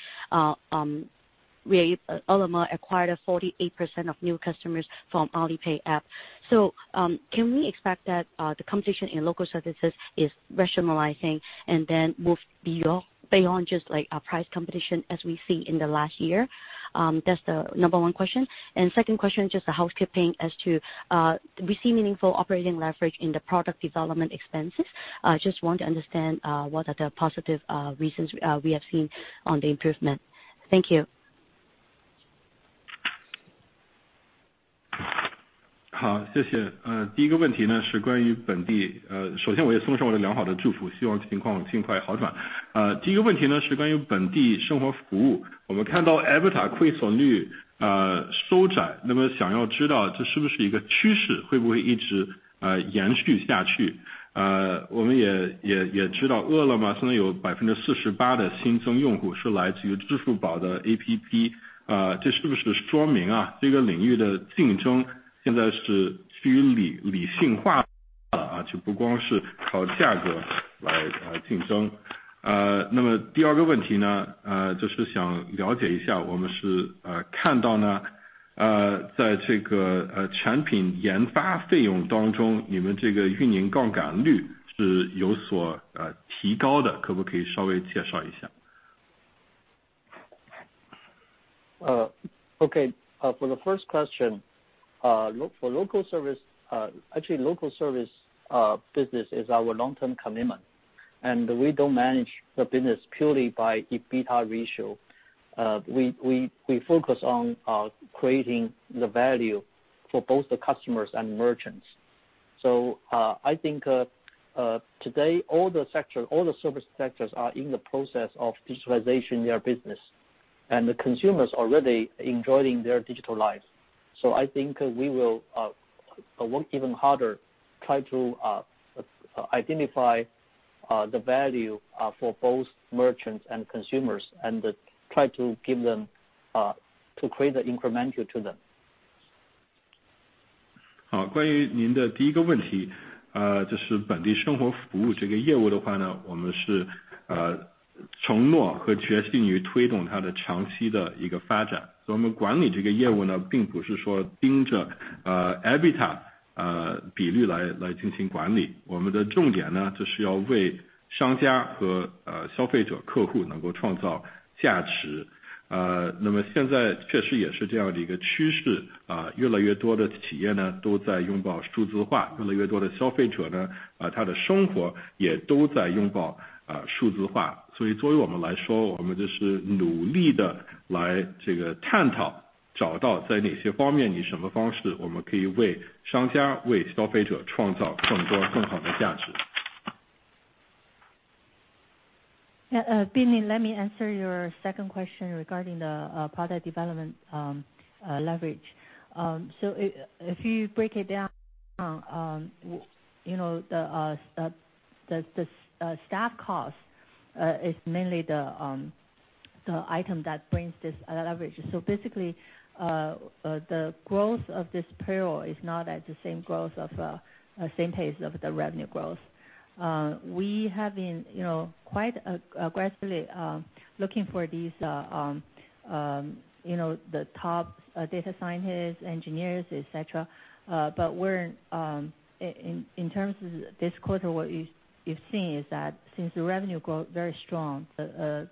Ele.me acquired a 48% of new customers from the Alipay app. Can we expect that the competition in local services is rationalizing and then move beyond just like a price competition as we saw last year? That's the number one question. Second question, just the housekeeping as to whether we see meaningful operating leverage in the product development expenses. Just want to understand what the positive reasons are we have seen for the improvement. Thank you. For the first question, actually, local service business is our long-term commitment, and we don't manage the business purely by the EBITDA ratio. We focus on creating value for both the customers and merchants. I think today all the service sectors are in the process of digitalizing their business, and the consumers are already enjoying their digital life. I think we will work even harder, try to identify the value for both merchants and consumers, and try to create incremental to them. Binnie, let me answer your second question regarding the product development leverage. So if you break it down, the staff cost is mainly the item that brings this leverage. So basically, the growth of this payroll is not at the same growth of the same pace as the revenue growth. We have been quite aggressively looking for these top data scientists, engineers, etc. But we're, in terms of this quarter, what we've seen is that since the revenue growth is very strong, the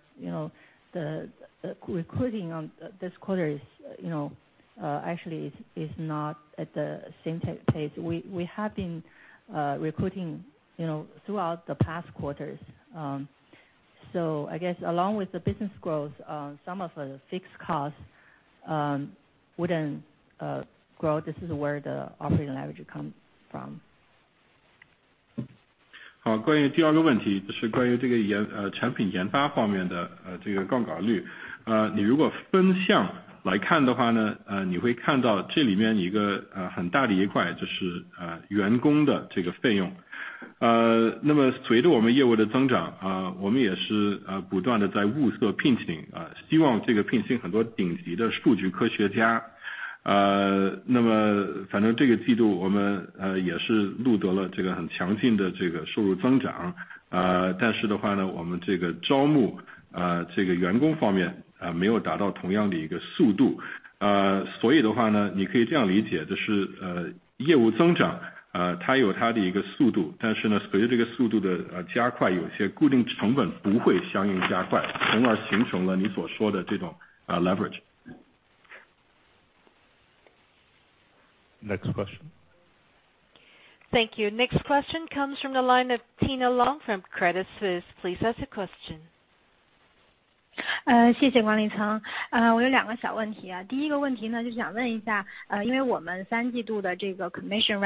recruiting for this quarter is actually not at the same pace. We have been recruiting, you know, throughout the past quarters. So I guess along with the business growth, some of the fixed costs wouldn't grow. This is where the operating leverage comes from. Next question. Thank you. Next question comes from the line of Tina Long from Credit Suisse. Please ask your question. 谢谢管理层。我有两个小问题。第一个问题就是想问一下，因为我们三季度的这个commission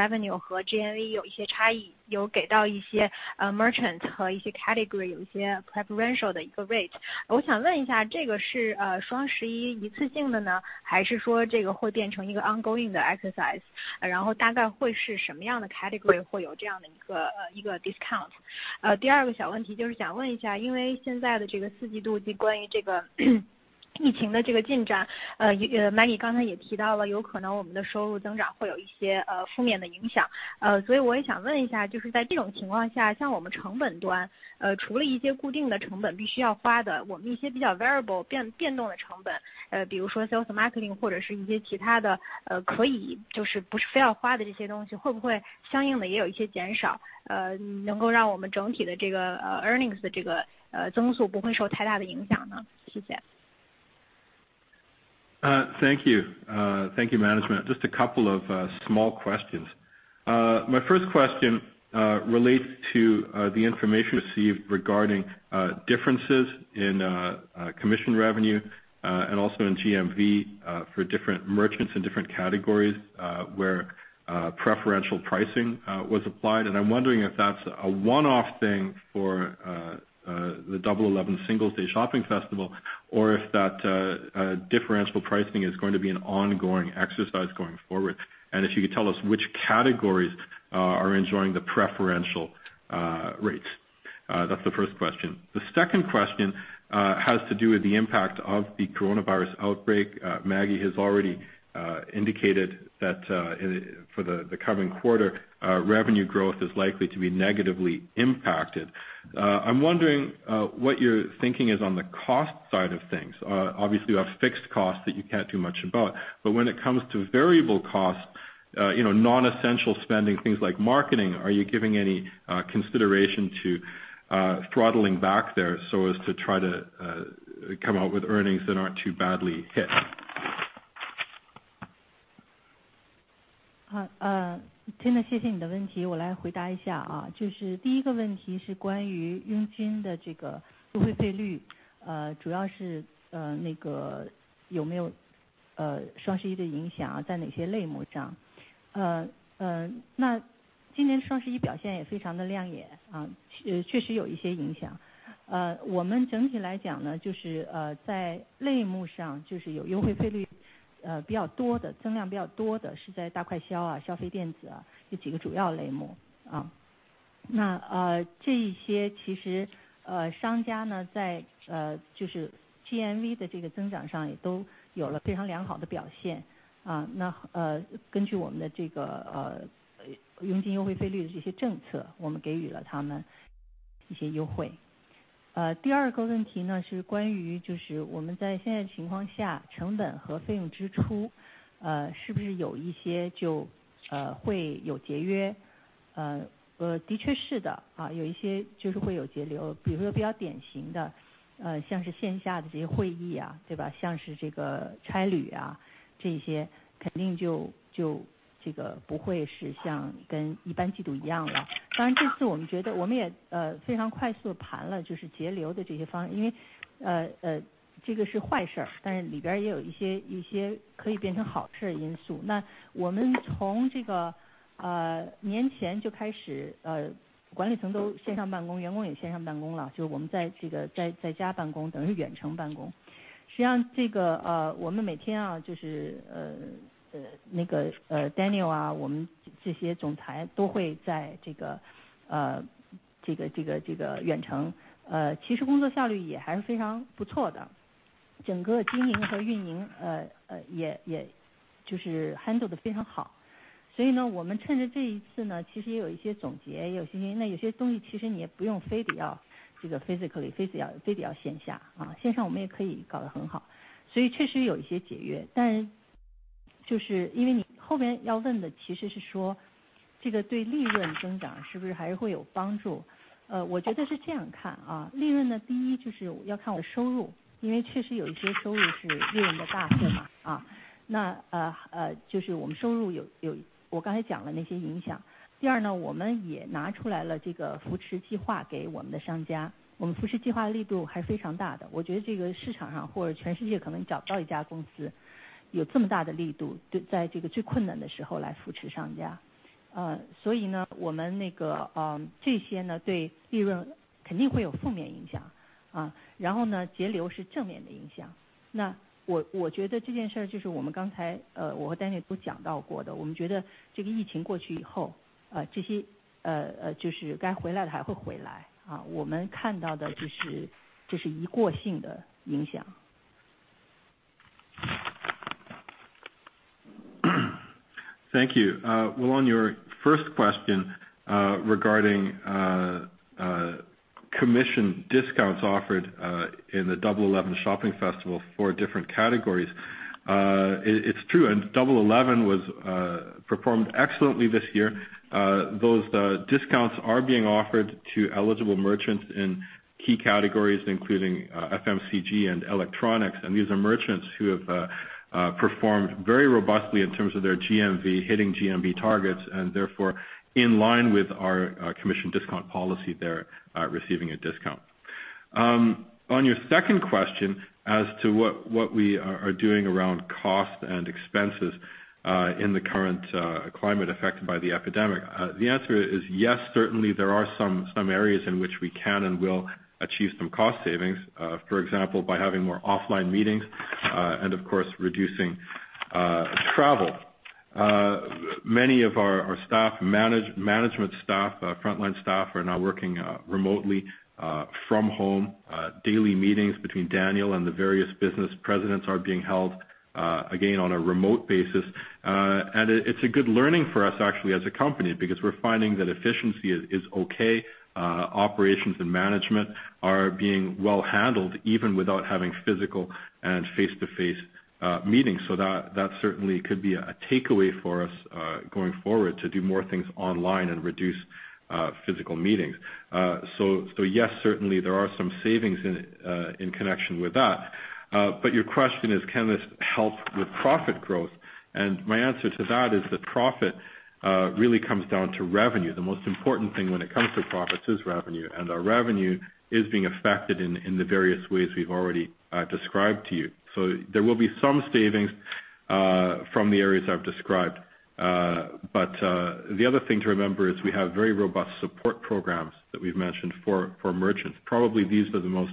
marketing，或者是一些其他的不是非要花的这些东西，会不会相应地也有一些减少，能够让我们整体的earnings的增速不会受太大的影响呢？谢谢。Thank you. Thank you, management. Just a couple of small questions. My first question relates to the information received regarding differences in commission revenue and also in GMV for different merchants in different categories where preferential pricing was applied. I'm wondering if that's a one-off thing for the 11.11 Singles' Day Shopping Festival, or if that differential pricing is going to be an ongoing exercise going forward. If you could tell us which categories are enjoying the preferential rates. That's the first question. The second question has to do with the impact of the coronavirus outbreak. Maggie has already indicated that for the coming quarter, revenue growth is likely to be negatively impacted. I'm wondering what your thinking is on the cost side of things. Obviously, you have fixed costs that you can't do much about, but when it comes to variable costs, non-essential spending, things like marketing, are you giving any consideration to throttling back there so as to try to come out with earnings that aren't too badly hit? Tina，谢谢你的问题，我来回答一下。第一个问题是关于佣金的优惠费率，主要是有没有双十一的影响，在哪些类目上。今年双十一表现也非常的亮眼，确实有一些影响。我们整体来讲，在类目上，有佣金优惠费率增量比较多的是在大快消、消费电子这几个主要类目。这些商家在GMV的增长上也都有了非常良好的表现。那根据我们的佣金优惠费率的这些政策，我们给予了他们一些优惠。第二个问题是关于我们在现在情况下，成本和费用支出是不是有一些会有节约。的确是的，有一些会有节流。比如说比较典型的像是线下的这些会议，像是差旅，这些肯定不会是像跟一般季度一样了。当然这次我们也非常快速盘了节流的这些方案，因为这个是坏事，但是里边也有一些可以变成好事的因素。我们从年前就开始管理层都线上办公，员工也线上办公了，我们在家办公，等于远程办公。实际上我们每天，Daniel我们这些总裁都会远程，其实工作效率也还是非常不错的。整个经营和运营也handle得非常好。所以我们趁着这一次，其实也有一些总结，那有些东西其实你也不用非得要physical，非得要线下。线上我们也可以搞得很好，所以确实有一些节约。但你后面要问的，其实是说这个对利润增长是不是还是会有帮助？我觉得是这样看。利润第一就是要看收入，因为确实有一些收入是越用越大。我们收入有我刚才讲的那些影响。第二，我们也拿出来了扶持计划给我们的商家，我们扶持计划力度还是非常大的，我觉得市场上或者全世界可能找不到一家公司，有这么大的力度，在这个最困难的时候来扶持商家。所以这些对利润肯定会有负面影响。然后节流是正面的影响。我觉得这件事儿我和Daniel都讲到过的，我们觉得疫情过去以后，该回来的还会回来。我们看到的就是一过性的影响。Thank you. Well, on your first question regarding commission discounts offered in the 11.11 Global Shopping Festival for different categories. It's true. 11.11 was performed excellently this year. Those discounts are being offered to eligible merchants in key categories, including FMCG and electronics. These are merchants who have performed very robustly in terms of their GMV, hitting GMV targets, and therefore, in line with our commission discount policy, they're receiving a discount. On your second question as to what we are doing around cost and expenses in the current climate affected by the epidemic, the answer is yes, certainly there are some areas in which we can and will achieve some cost savings, for example, by having more offline meetings and, of course, reducing travel. Many of our staff, management staff, and frontline staff are now working remotely from home. Daily meetings between Daniel and the various business presidents are being held, again on a remote basis. It's a good learning for us, actually, as a company, because we're finding that efficiency is okay. Operations and management are being well handled even without having physical and face-to-face meetings. That certainly could be a takeaway for us going forward to do more things online and reduce physical meetings. Yes, certainly there are some savings in connection with that. Your question is, can this help with profit growth? My answer to that is that profit really comes down to revenue. The most important thing when it comes to profits is revenue. Our revenue is being affected in the various ways we've already described to you. There will be some savings from the areas I've described. The other thing to remember is that we have very robust support programs that we've mentioned for merchants. Probably these are the most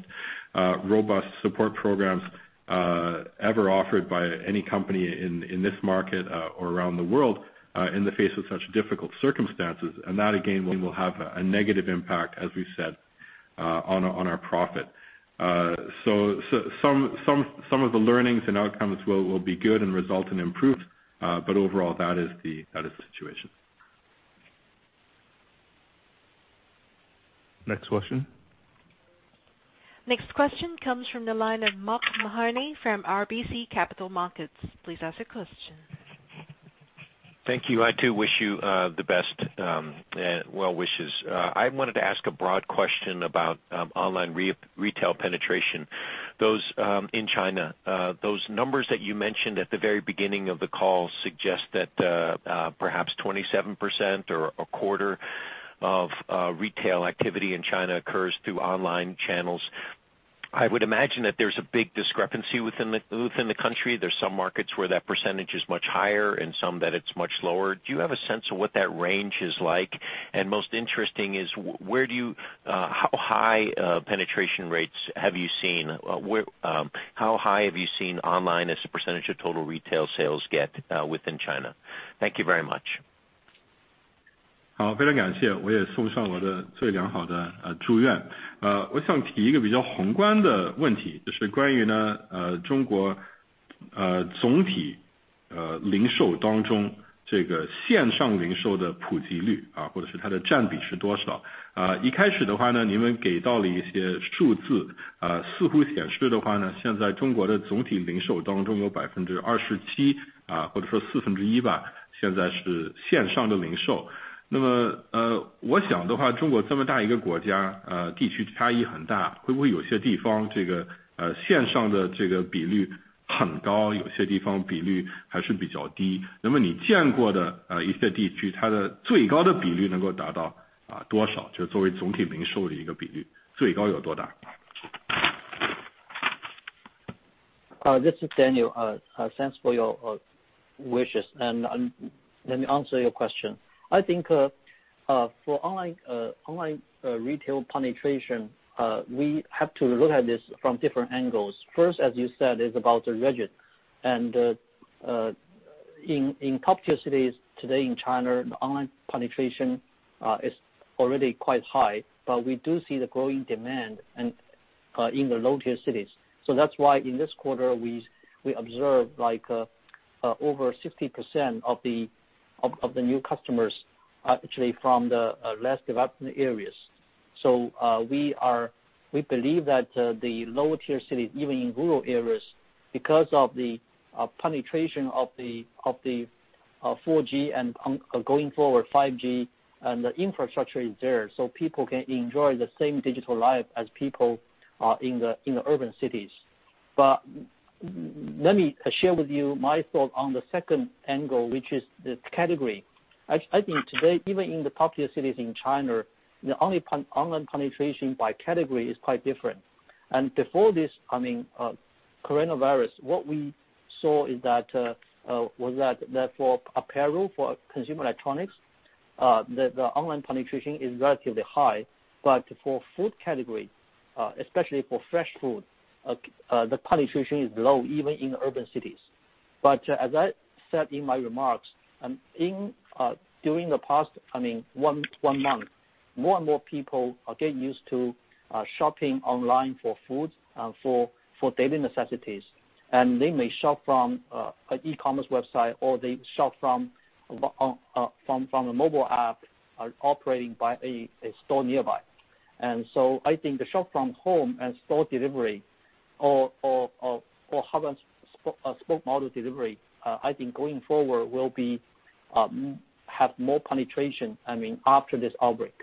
robust support programs ever offered by any company in this market or around the world in the face of such difficult circumstances. That again will have a negative impact, as we've said, on our profit. Some of the learnings and outcomes will be good and result in improvements. Overall, that is the situation. Next question. Next question comes from the line of Mark Mahaney from RBC Capital Markets. Please ask your question. Thank you. I, too, wish you the best wishes. I wanted to ask a broad question about online retail penetration in China. Those numbers that you mentioned at the very beginning of the call suggest that perhaps 27% or 1/4 of retail activity in China occurs through online channels. I would imagine that there's a big discrepancy within the country. There are some markets where that percentage is much higher and some where it's much lower. Do you have a sense of what that range is like? Most interesting is how high penetration rates you have seen? How high have you seen online as a percentage of total retail sales in China? Thank you very much. This is Daniel. Thanks for your wishes. Let me answer your question. I think for online retail penetration, we have to look at this from different angles. First, as you said, it's about the region. And in top-tier cities today in China, online penetration is already quite high, but we do see the growing demand in the lower-tier cities. That's why in this quarter, we observed like over 60% of the new customers were actually from the less developed areas. Because of the penetration of 4G and going forward, 5G, and the infrastructure is there, so people can enjoy the same digital life as people in urban cities. But let me share with you my thoughts on the second angle, which is the category. I think today, even in the top-tier cities in China, the online penetration by category is quite different. And before this coronavirus, what we saw is that for apparel, for consumer electronics, the online penetration is relatively high, but for the food category, especially for fresh food, the penetration is low even in urban cities. As I said in my remarks, in the past, more and more people are getting used to shopping online for food and for daily necessities, and they may shop from an e-commerce website, or they shop from a mobile app operated by a store nearby. I think the shop from home and store delivery or a store model delivery, going forward, will have more penetration, I mean, after this outbreak.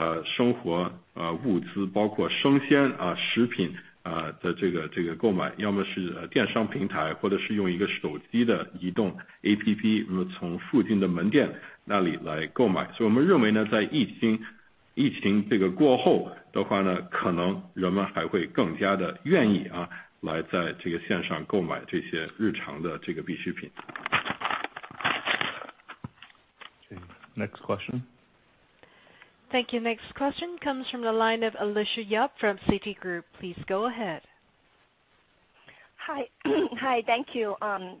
Next question. Thank you. Next question comes from the line of Alicia Yap from Citigroup. Please go ahead.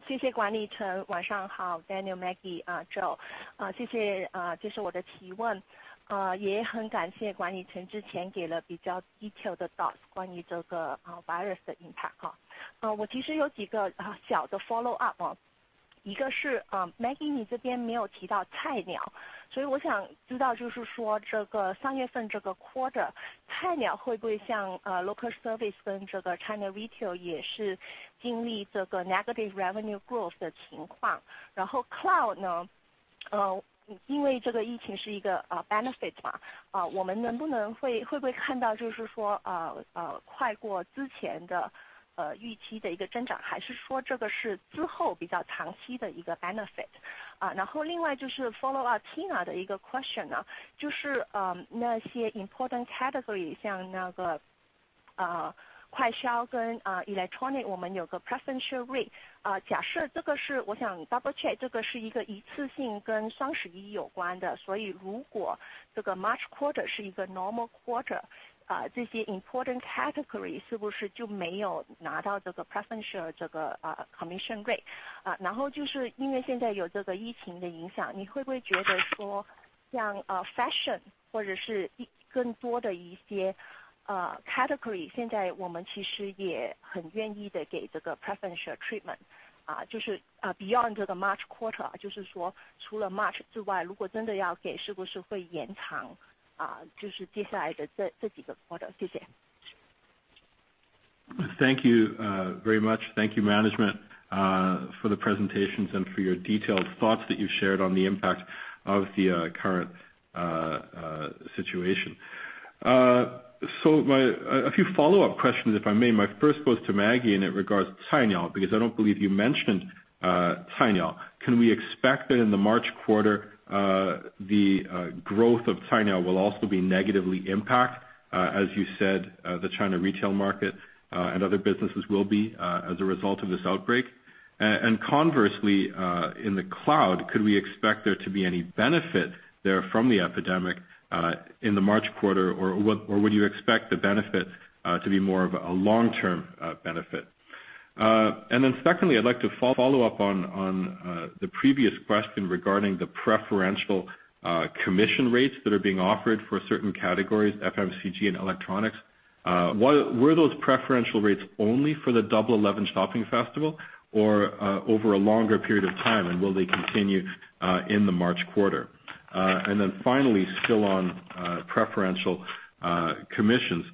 谢谢管理层。晚上好，Daniel、Maggie、Joe，谢谢。这是我的提问，也很感谢管理层之前给了比较detail的docs，关于virus的impact。我其实有几个小的follow up。一个是Maggie你这边没有提到菜鸟，所以我想知道，三月份这个quarter，菜鸟会不会像local service跟China retail也是经历这个negative revenue growth的情况？然后cloud因为这个疫情是一个benefit，我们能不能，会不会看到快过之前的预期的一个增长，还是说这个是之后比较长期的一个benefit？然后另外就是follow up Tina的一个question，就是那些important category，像快消跟electronic，我们有个preferential rate。我想double check，这个是一个一次性跟双11有关的，所以如果这个March quarter是一个normal quarter，这些important category是不是就没有拿到这个preferential commission rate？然后就是因为现在有疫情的影响，你会不会觉得像fashion或者更多的一些category，现在我们其实也很愿意给preferential treatment，beyond这个March quarter，就是说除了March之外，如果真的要给，是不是会延长接下来的这几个quarter？谢谢。Thank you very much. Thank you, management, for the presentations and for your detailed thoughts that you've shared on the impact of the current situation. A few follow-up questions, if I may. My first goes to Maggie, and it regards Cainiao, because I don't believe you mentioned Cainiao. Can we expect that in the March quarter, the growth of Cainiao will also be negatively impacted? As you said, the China commerce retail and other businesses will be affected as a result of this outbreak. Conversely, in the cloud, could we expect there to be any benefit from the epidemic in the March quarter? Or would you expect the benefit to be more of a long-term benefit? Secondly, I'd like to follow up on the previous question regarding the preferential commission rates that are being offered for certain categories, such as FMCG and electronics. Were those preferential rates only for the 11.11 Shopping Festival or over a longer period of time, and will they continue in the March quarter? Finally, still on preferential commissions.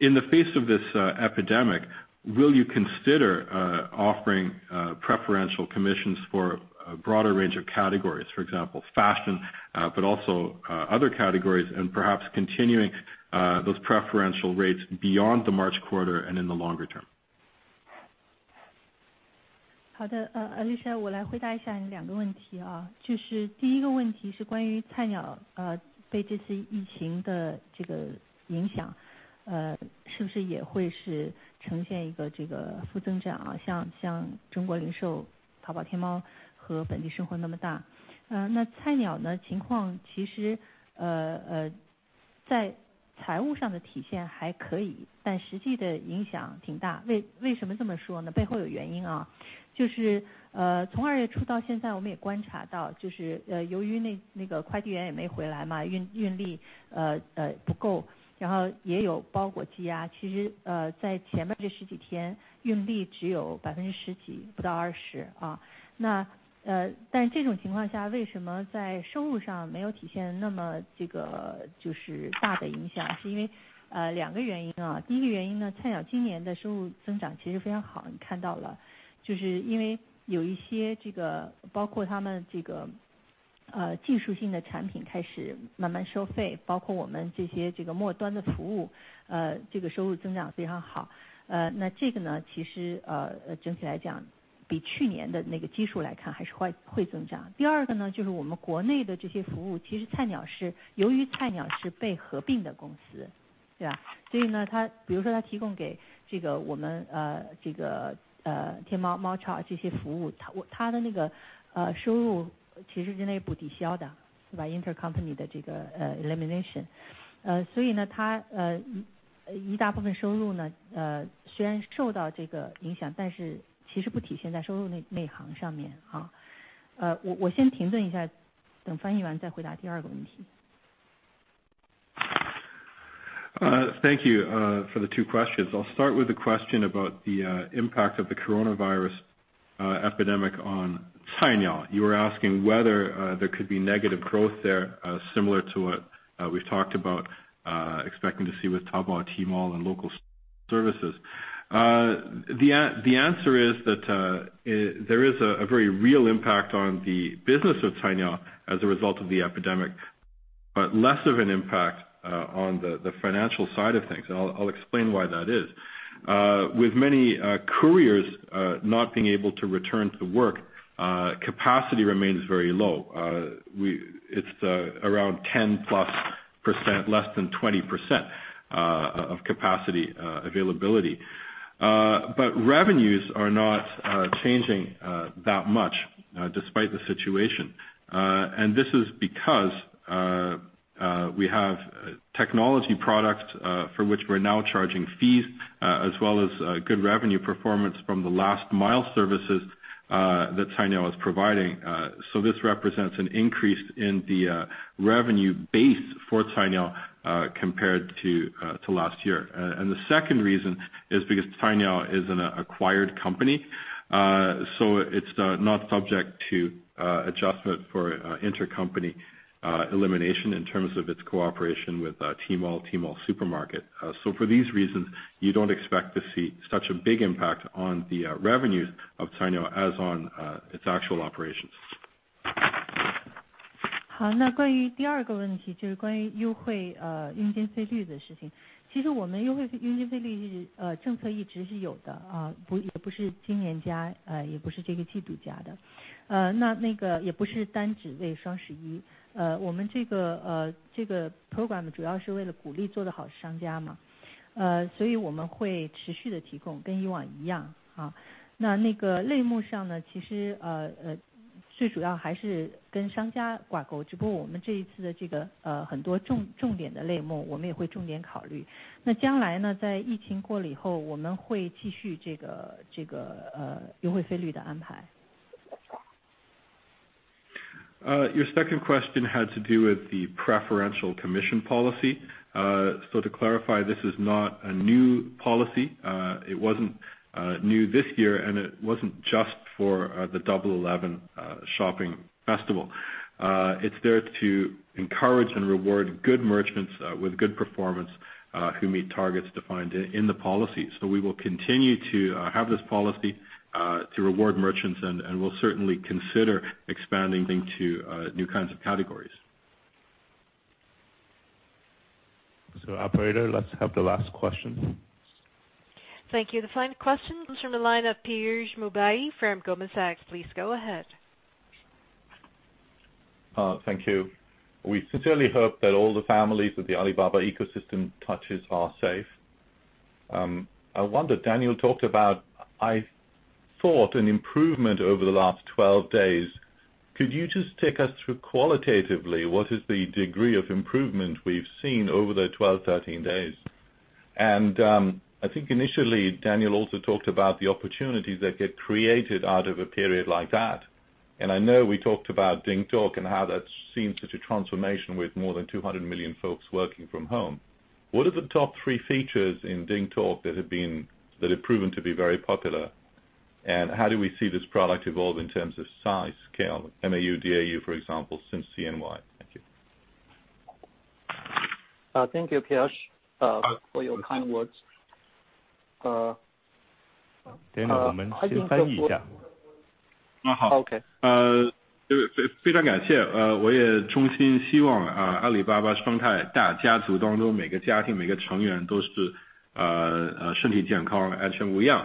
In the face of this epidemic, will you consider offering preferential commissions for a broader range of categories, for example, fashion, but also other categories, and perhaps continuing those preferential rates beyond the March quarter and in the longer term? 好的。Alicia，我来回答一下你两个问题。第一个问题是关于菜鸟被这次疫情的影响，是不是也会呈现一个负增长？像中国零售、淘宝、天猫和本地生活那么大。那菜鸟的情况其实在财务上的体现还可以，但实际的影响挺大。为什么这么说呢？背后有原因，从2月初到现在，我们也观察到，由于快递员也没回来，运力不够，也有包裹积压。其实在前面这十几天，运力只有10%几，不到20%。但这种情况下，为什么在收入上没有体现那么大的影响？是因为两个原因。第一个原因，菜鸟今年的收入增长其实非常好。你看到了，因为有一些包括他们技术性的产品开始慢慢收费，包括我们这些末端的服务，收入增长非常好。那这个其实整体来讲，比去年的基数来看还是会增长。第二个，就是我们国内的这些服务，由于菜鸟是被合并的公司，比如说它提供给我们天猫、猫超这些服务，它的收入其实是内部抵消的，intercompany的elimination。所以它一大部分收入虽然受到影响，但是其实不体现在收入那行上面。我先停顿一下，等翻译完再回答第二个问题。Thank you for the two questions. I'll start with the question about the impact of the coronavirus epidemic on Cainiao. You were asking whether there could be negative growth there, similar to what we've talked about expecting to see with Taobao, Tmall, and local services. The answer is that there is a very real impact on the business of Cainiao as a result of the epidemic, but less of an impact on the financial side of things. I'll explain why that is. With many couriers not being able to return to work, capacity remains very low. It's around 10%+, less than 20% of capacity availability. Revenues are not changing that much despite the situation. This is because we have technology products for which we're now charging fees, as well as good revenue performance from the last-mile services that Cainiao is providing. This represents an increase in the revenue base for Cainiao compared to last year. The second reason is that Cainiao is an acquired company, so it's now subject to adjustment for intercompany elimination in terms of its cooperation with Tmall Supermarket. For these reasons, you don't expect to see such a big impact on the revenues of Cainiao as on its actual operations. Your second question had to do with the preferential commission policy. To clarify, this is not a new policy. It wasn't new this year, and it wasn't just for the 11.11 Shopping Festival. It's there to encourage and reward good merchants with good performance who meet targets defined in the policy. We will continue to have this policy to reward merchants, and we'll certainly consider expanding into new kinds of categories. Operator, let's have the last question. Thank you. The final question comes from the line of Piyush Mubayi from Goldman Sachs. Please go ahead. Thank you. We sincerely hope that all the families that the Alibaba ecosystem touches are safe. I wonder, Daniel talked about, I thought, an improvement over the last 12 days. Could you just take us through qualitatively what the degree of improvement we've seen over the 12-13 days? I think initially, Daniel also talked about the opportunities that get created out of a period like that. I know we talked about DingTalk and how that's seen such a transformation with more than 200 million folks working from home. What are the top three features in DingTalk that have proven to be very popular, and how do we see this product evolve in terms of size, scale, MAU, DAU, for example, since CNY? Thank you. Thank you, Piyush, for your kind words. Okay. Thank you.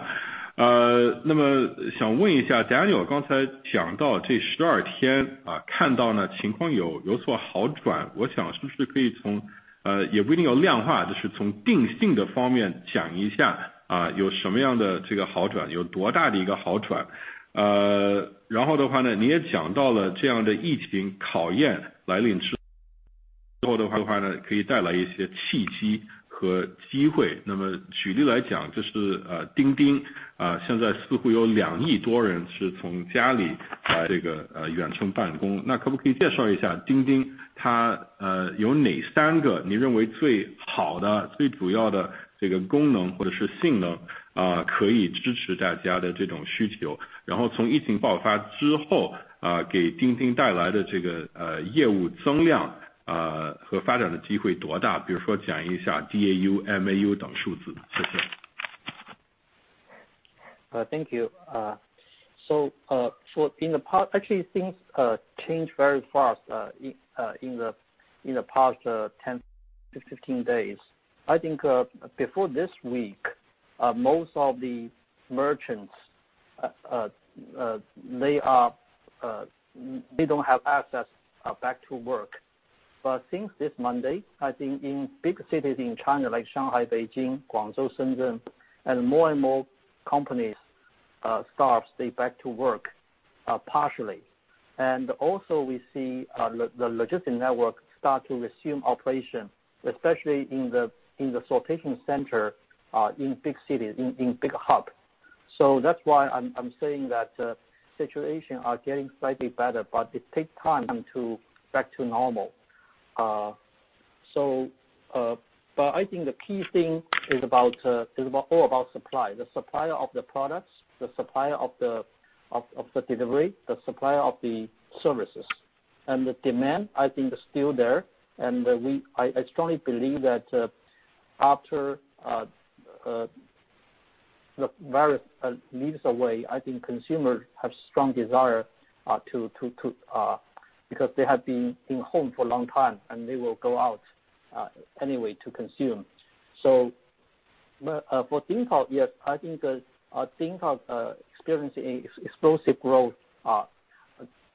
Actually, things changed very fast in the past 10 to 15 days. I think before this week, most of the merchants they don't have access back to work. Since this Monday, I think in big cities in China, like Shanghai, Beijing, Guangzhou, Shenzhen, and more and more companies' staff, they are back to work partially. Also, we see the logistics network start to resume operation, especially in the sortation centers in big cities and big hubs. That's why I'm saying that situations are getting slightly better, but it takes time to get back to normal. I think the key thing is all about supply. The supply of the products, the supply of the delivery, and the supply of the services. The demand, I think, is still there. I strongly believe that after the virus leads away, I think consumers have a strong desire, because they have been home for a long time, and they will go out anyway to consume. For DingTalk, yes, I think DingTalk experienced explosive growth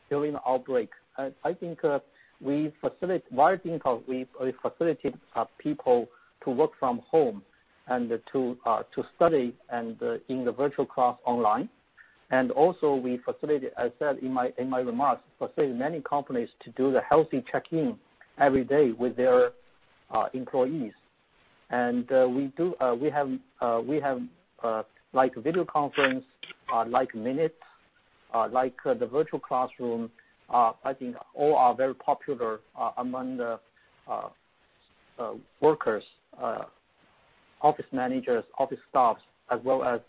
during the outbreak. Via DingTalk, we facilitate people to work from home and to study in virtual classes online. Also, we facilitate, as I said in my remarks, many companies to do a healthy check-in every day with their employees. We have video conference, like AI Minutes, like the virtual classroom. I think all are very popular among the workers, office managers, office staff, as well as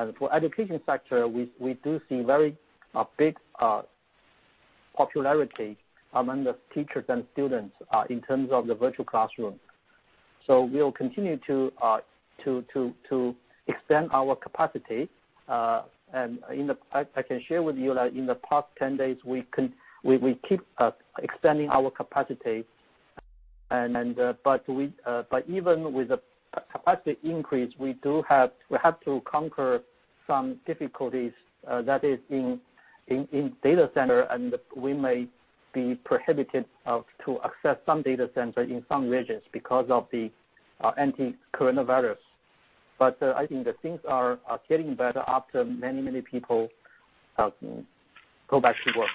in the education sector. We do see very big popularity among the teachers and students in terms of the virtual classroom. We will continue to extend our capacity. I can share with you that in the past 10 days, we have been extending our capacity. Even with the capacity increase, we have to conquer some difficulties that are in the data center, and we may be prohibited from accessing some data centers in some regions because of the anti-coronavirus measures. I think that things are getting better after many, many people go back to work.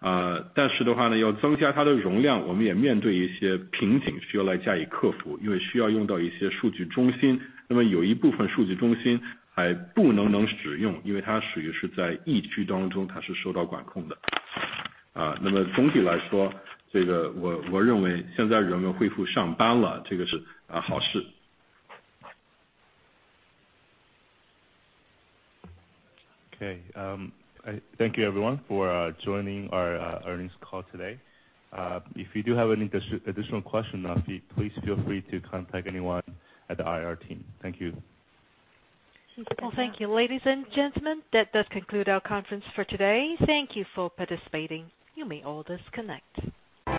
OK, thank you, everyone, for joining our earnings call today. If you do have any additional questions, please feel free to contact anyone on the IR team. Thank you. Well, thank you, ladies and gentlemen. That does conclude our conference for today. Thank you for participating. You may all disconnect.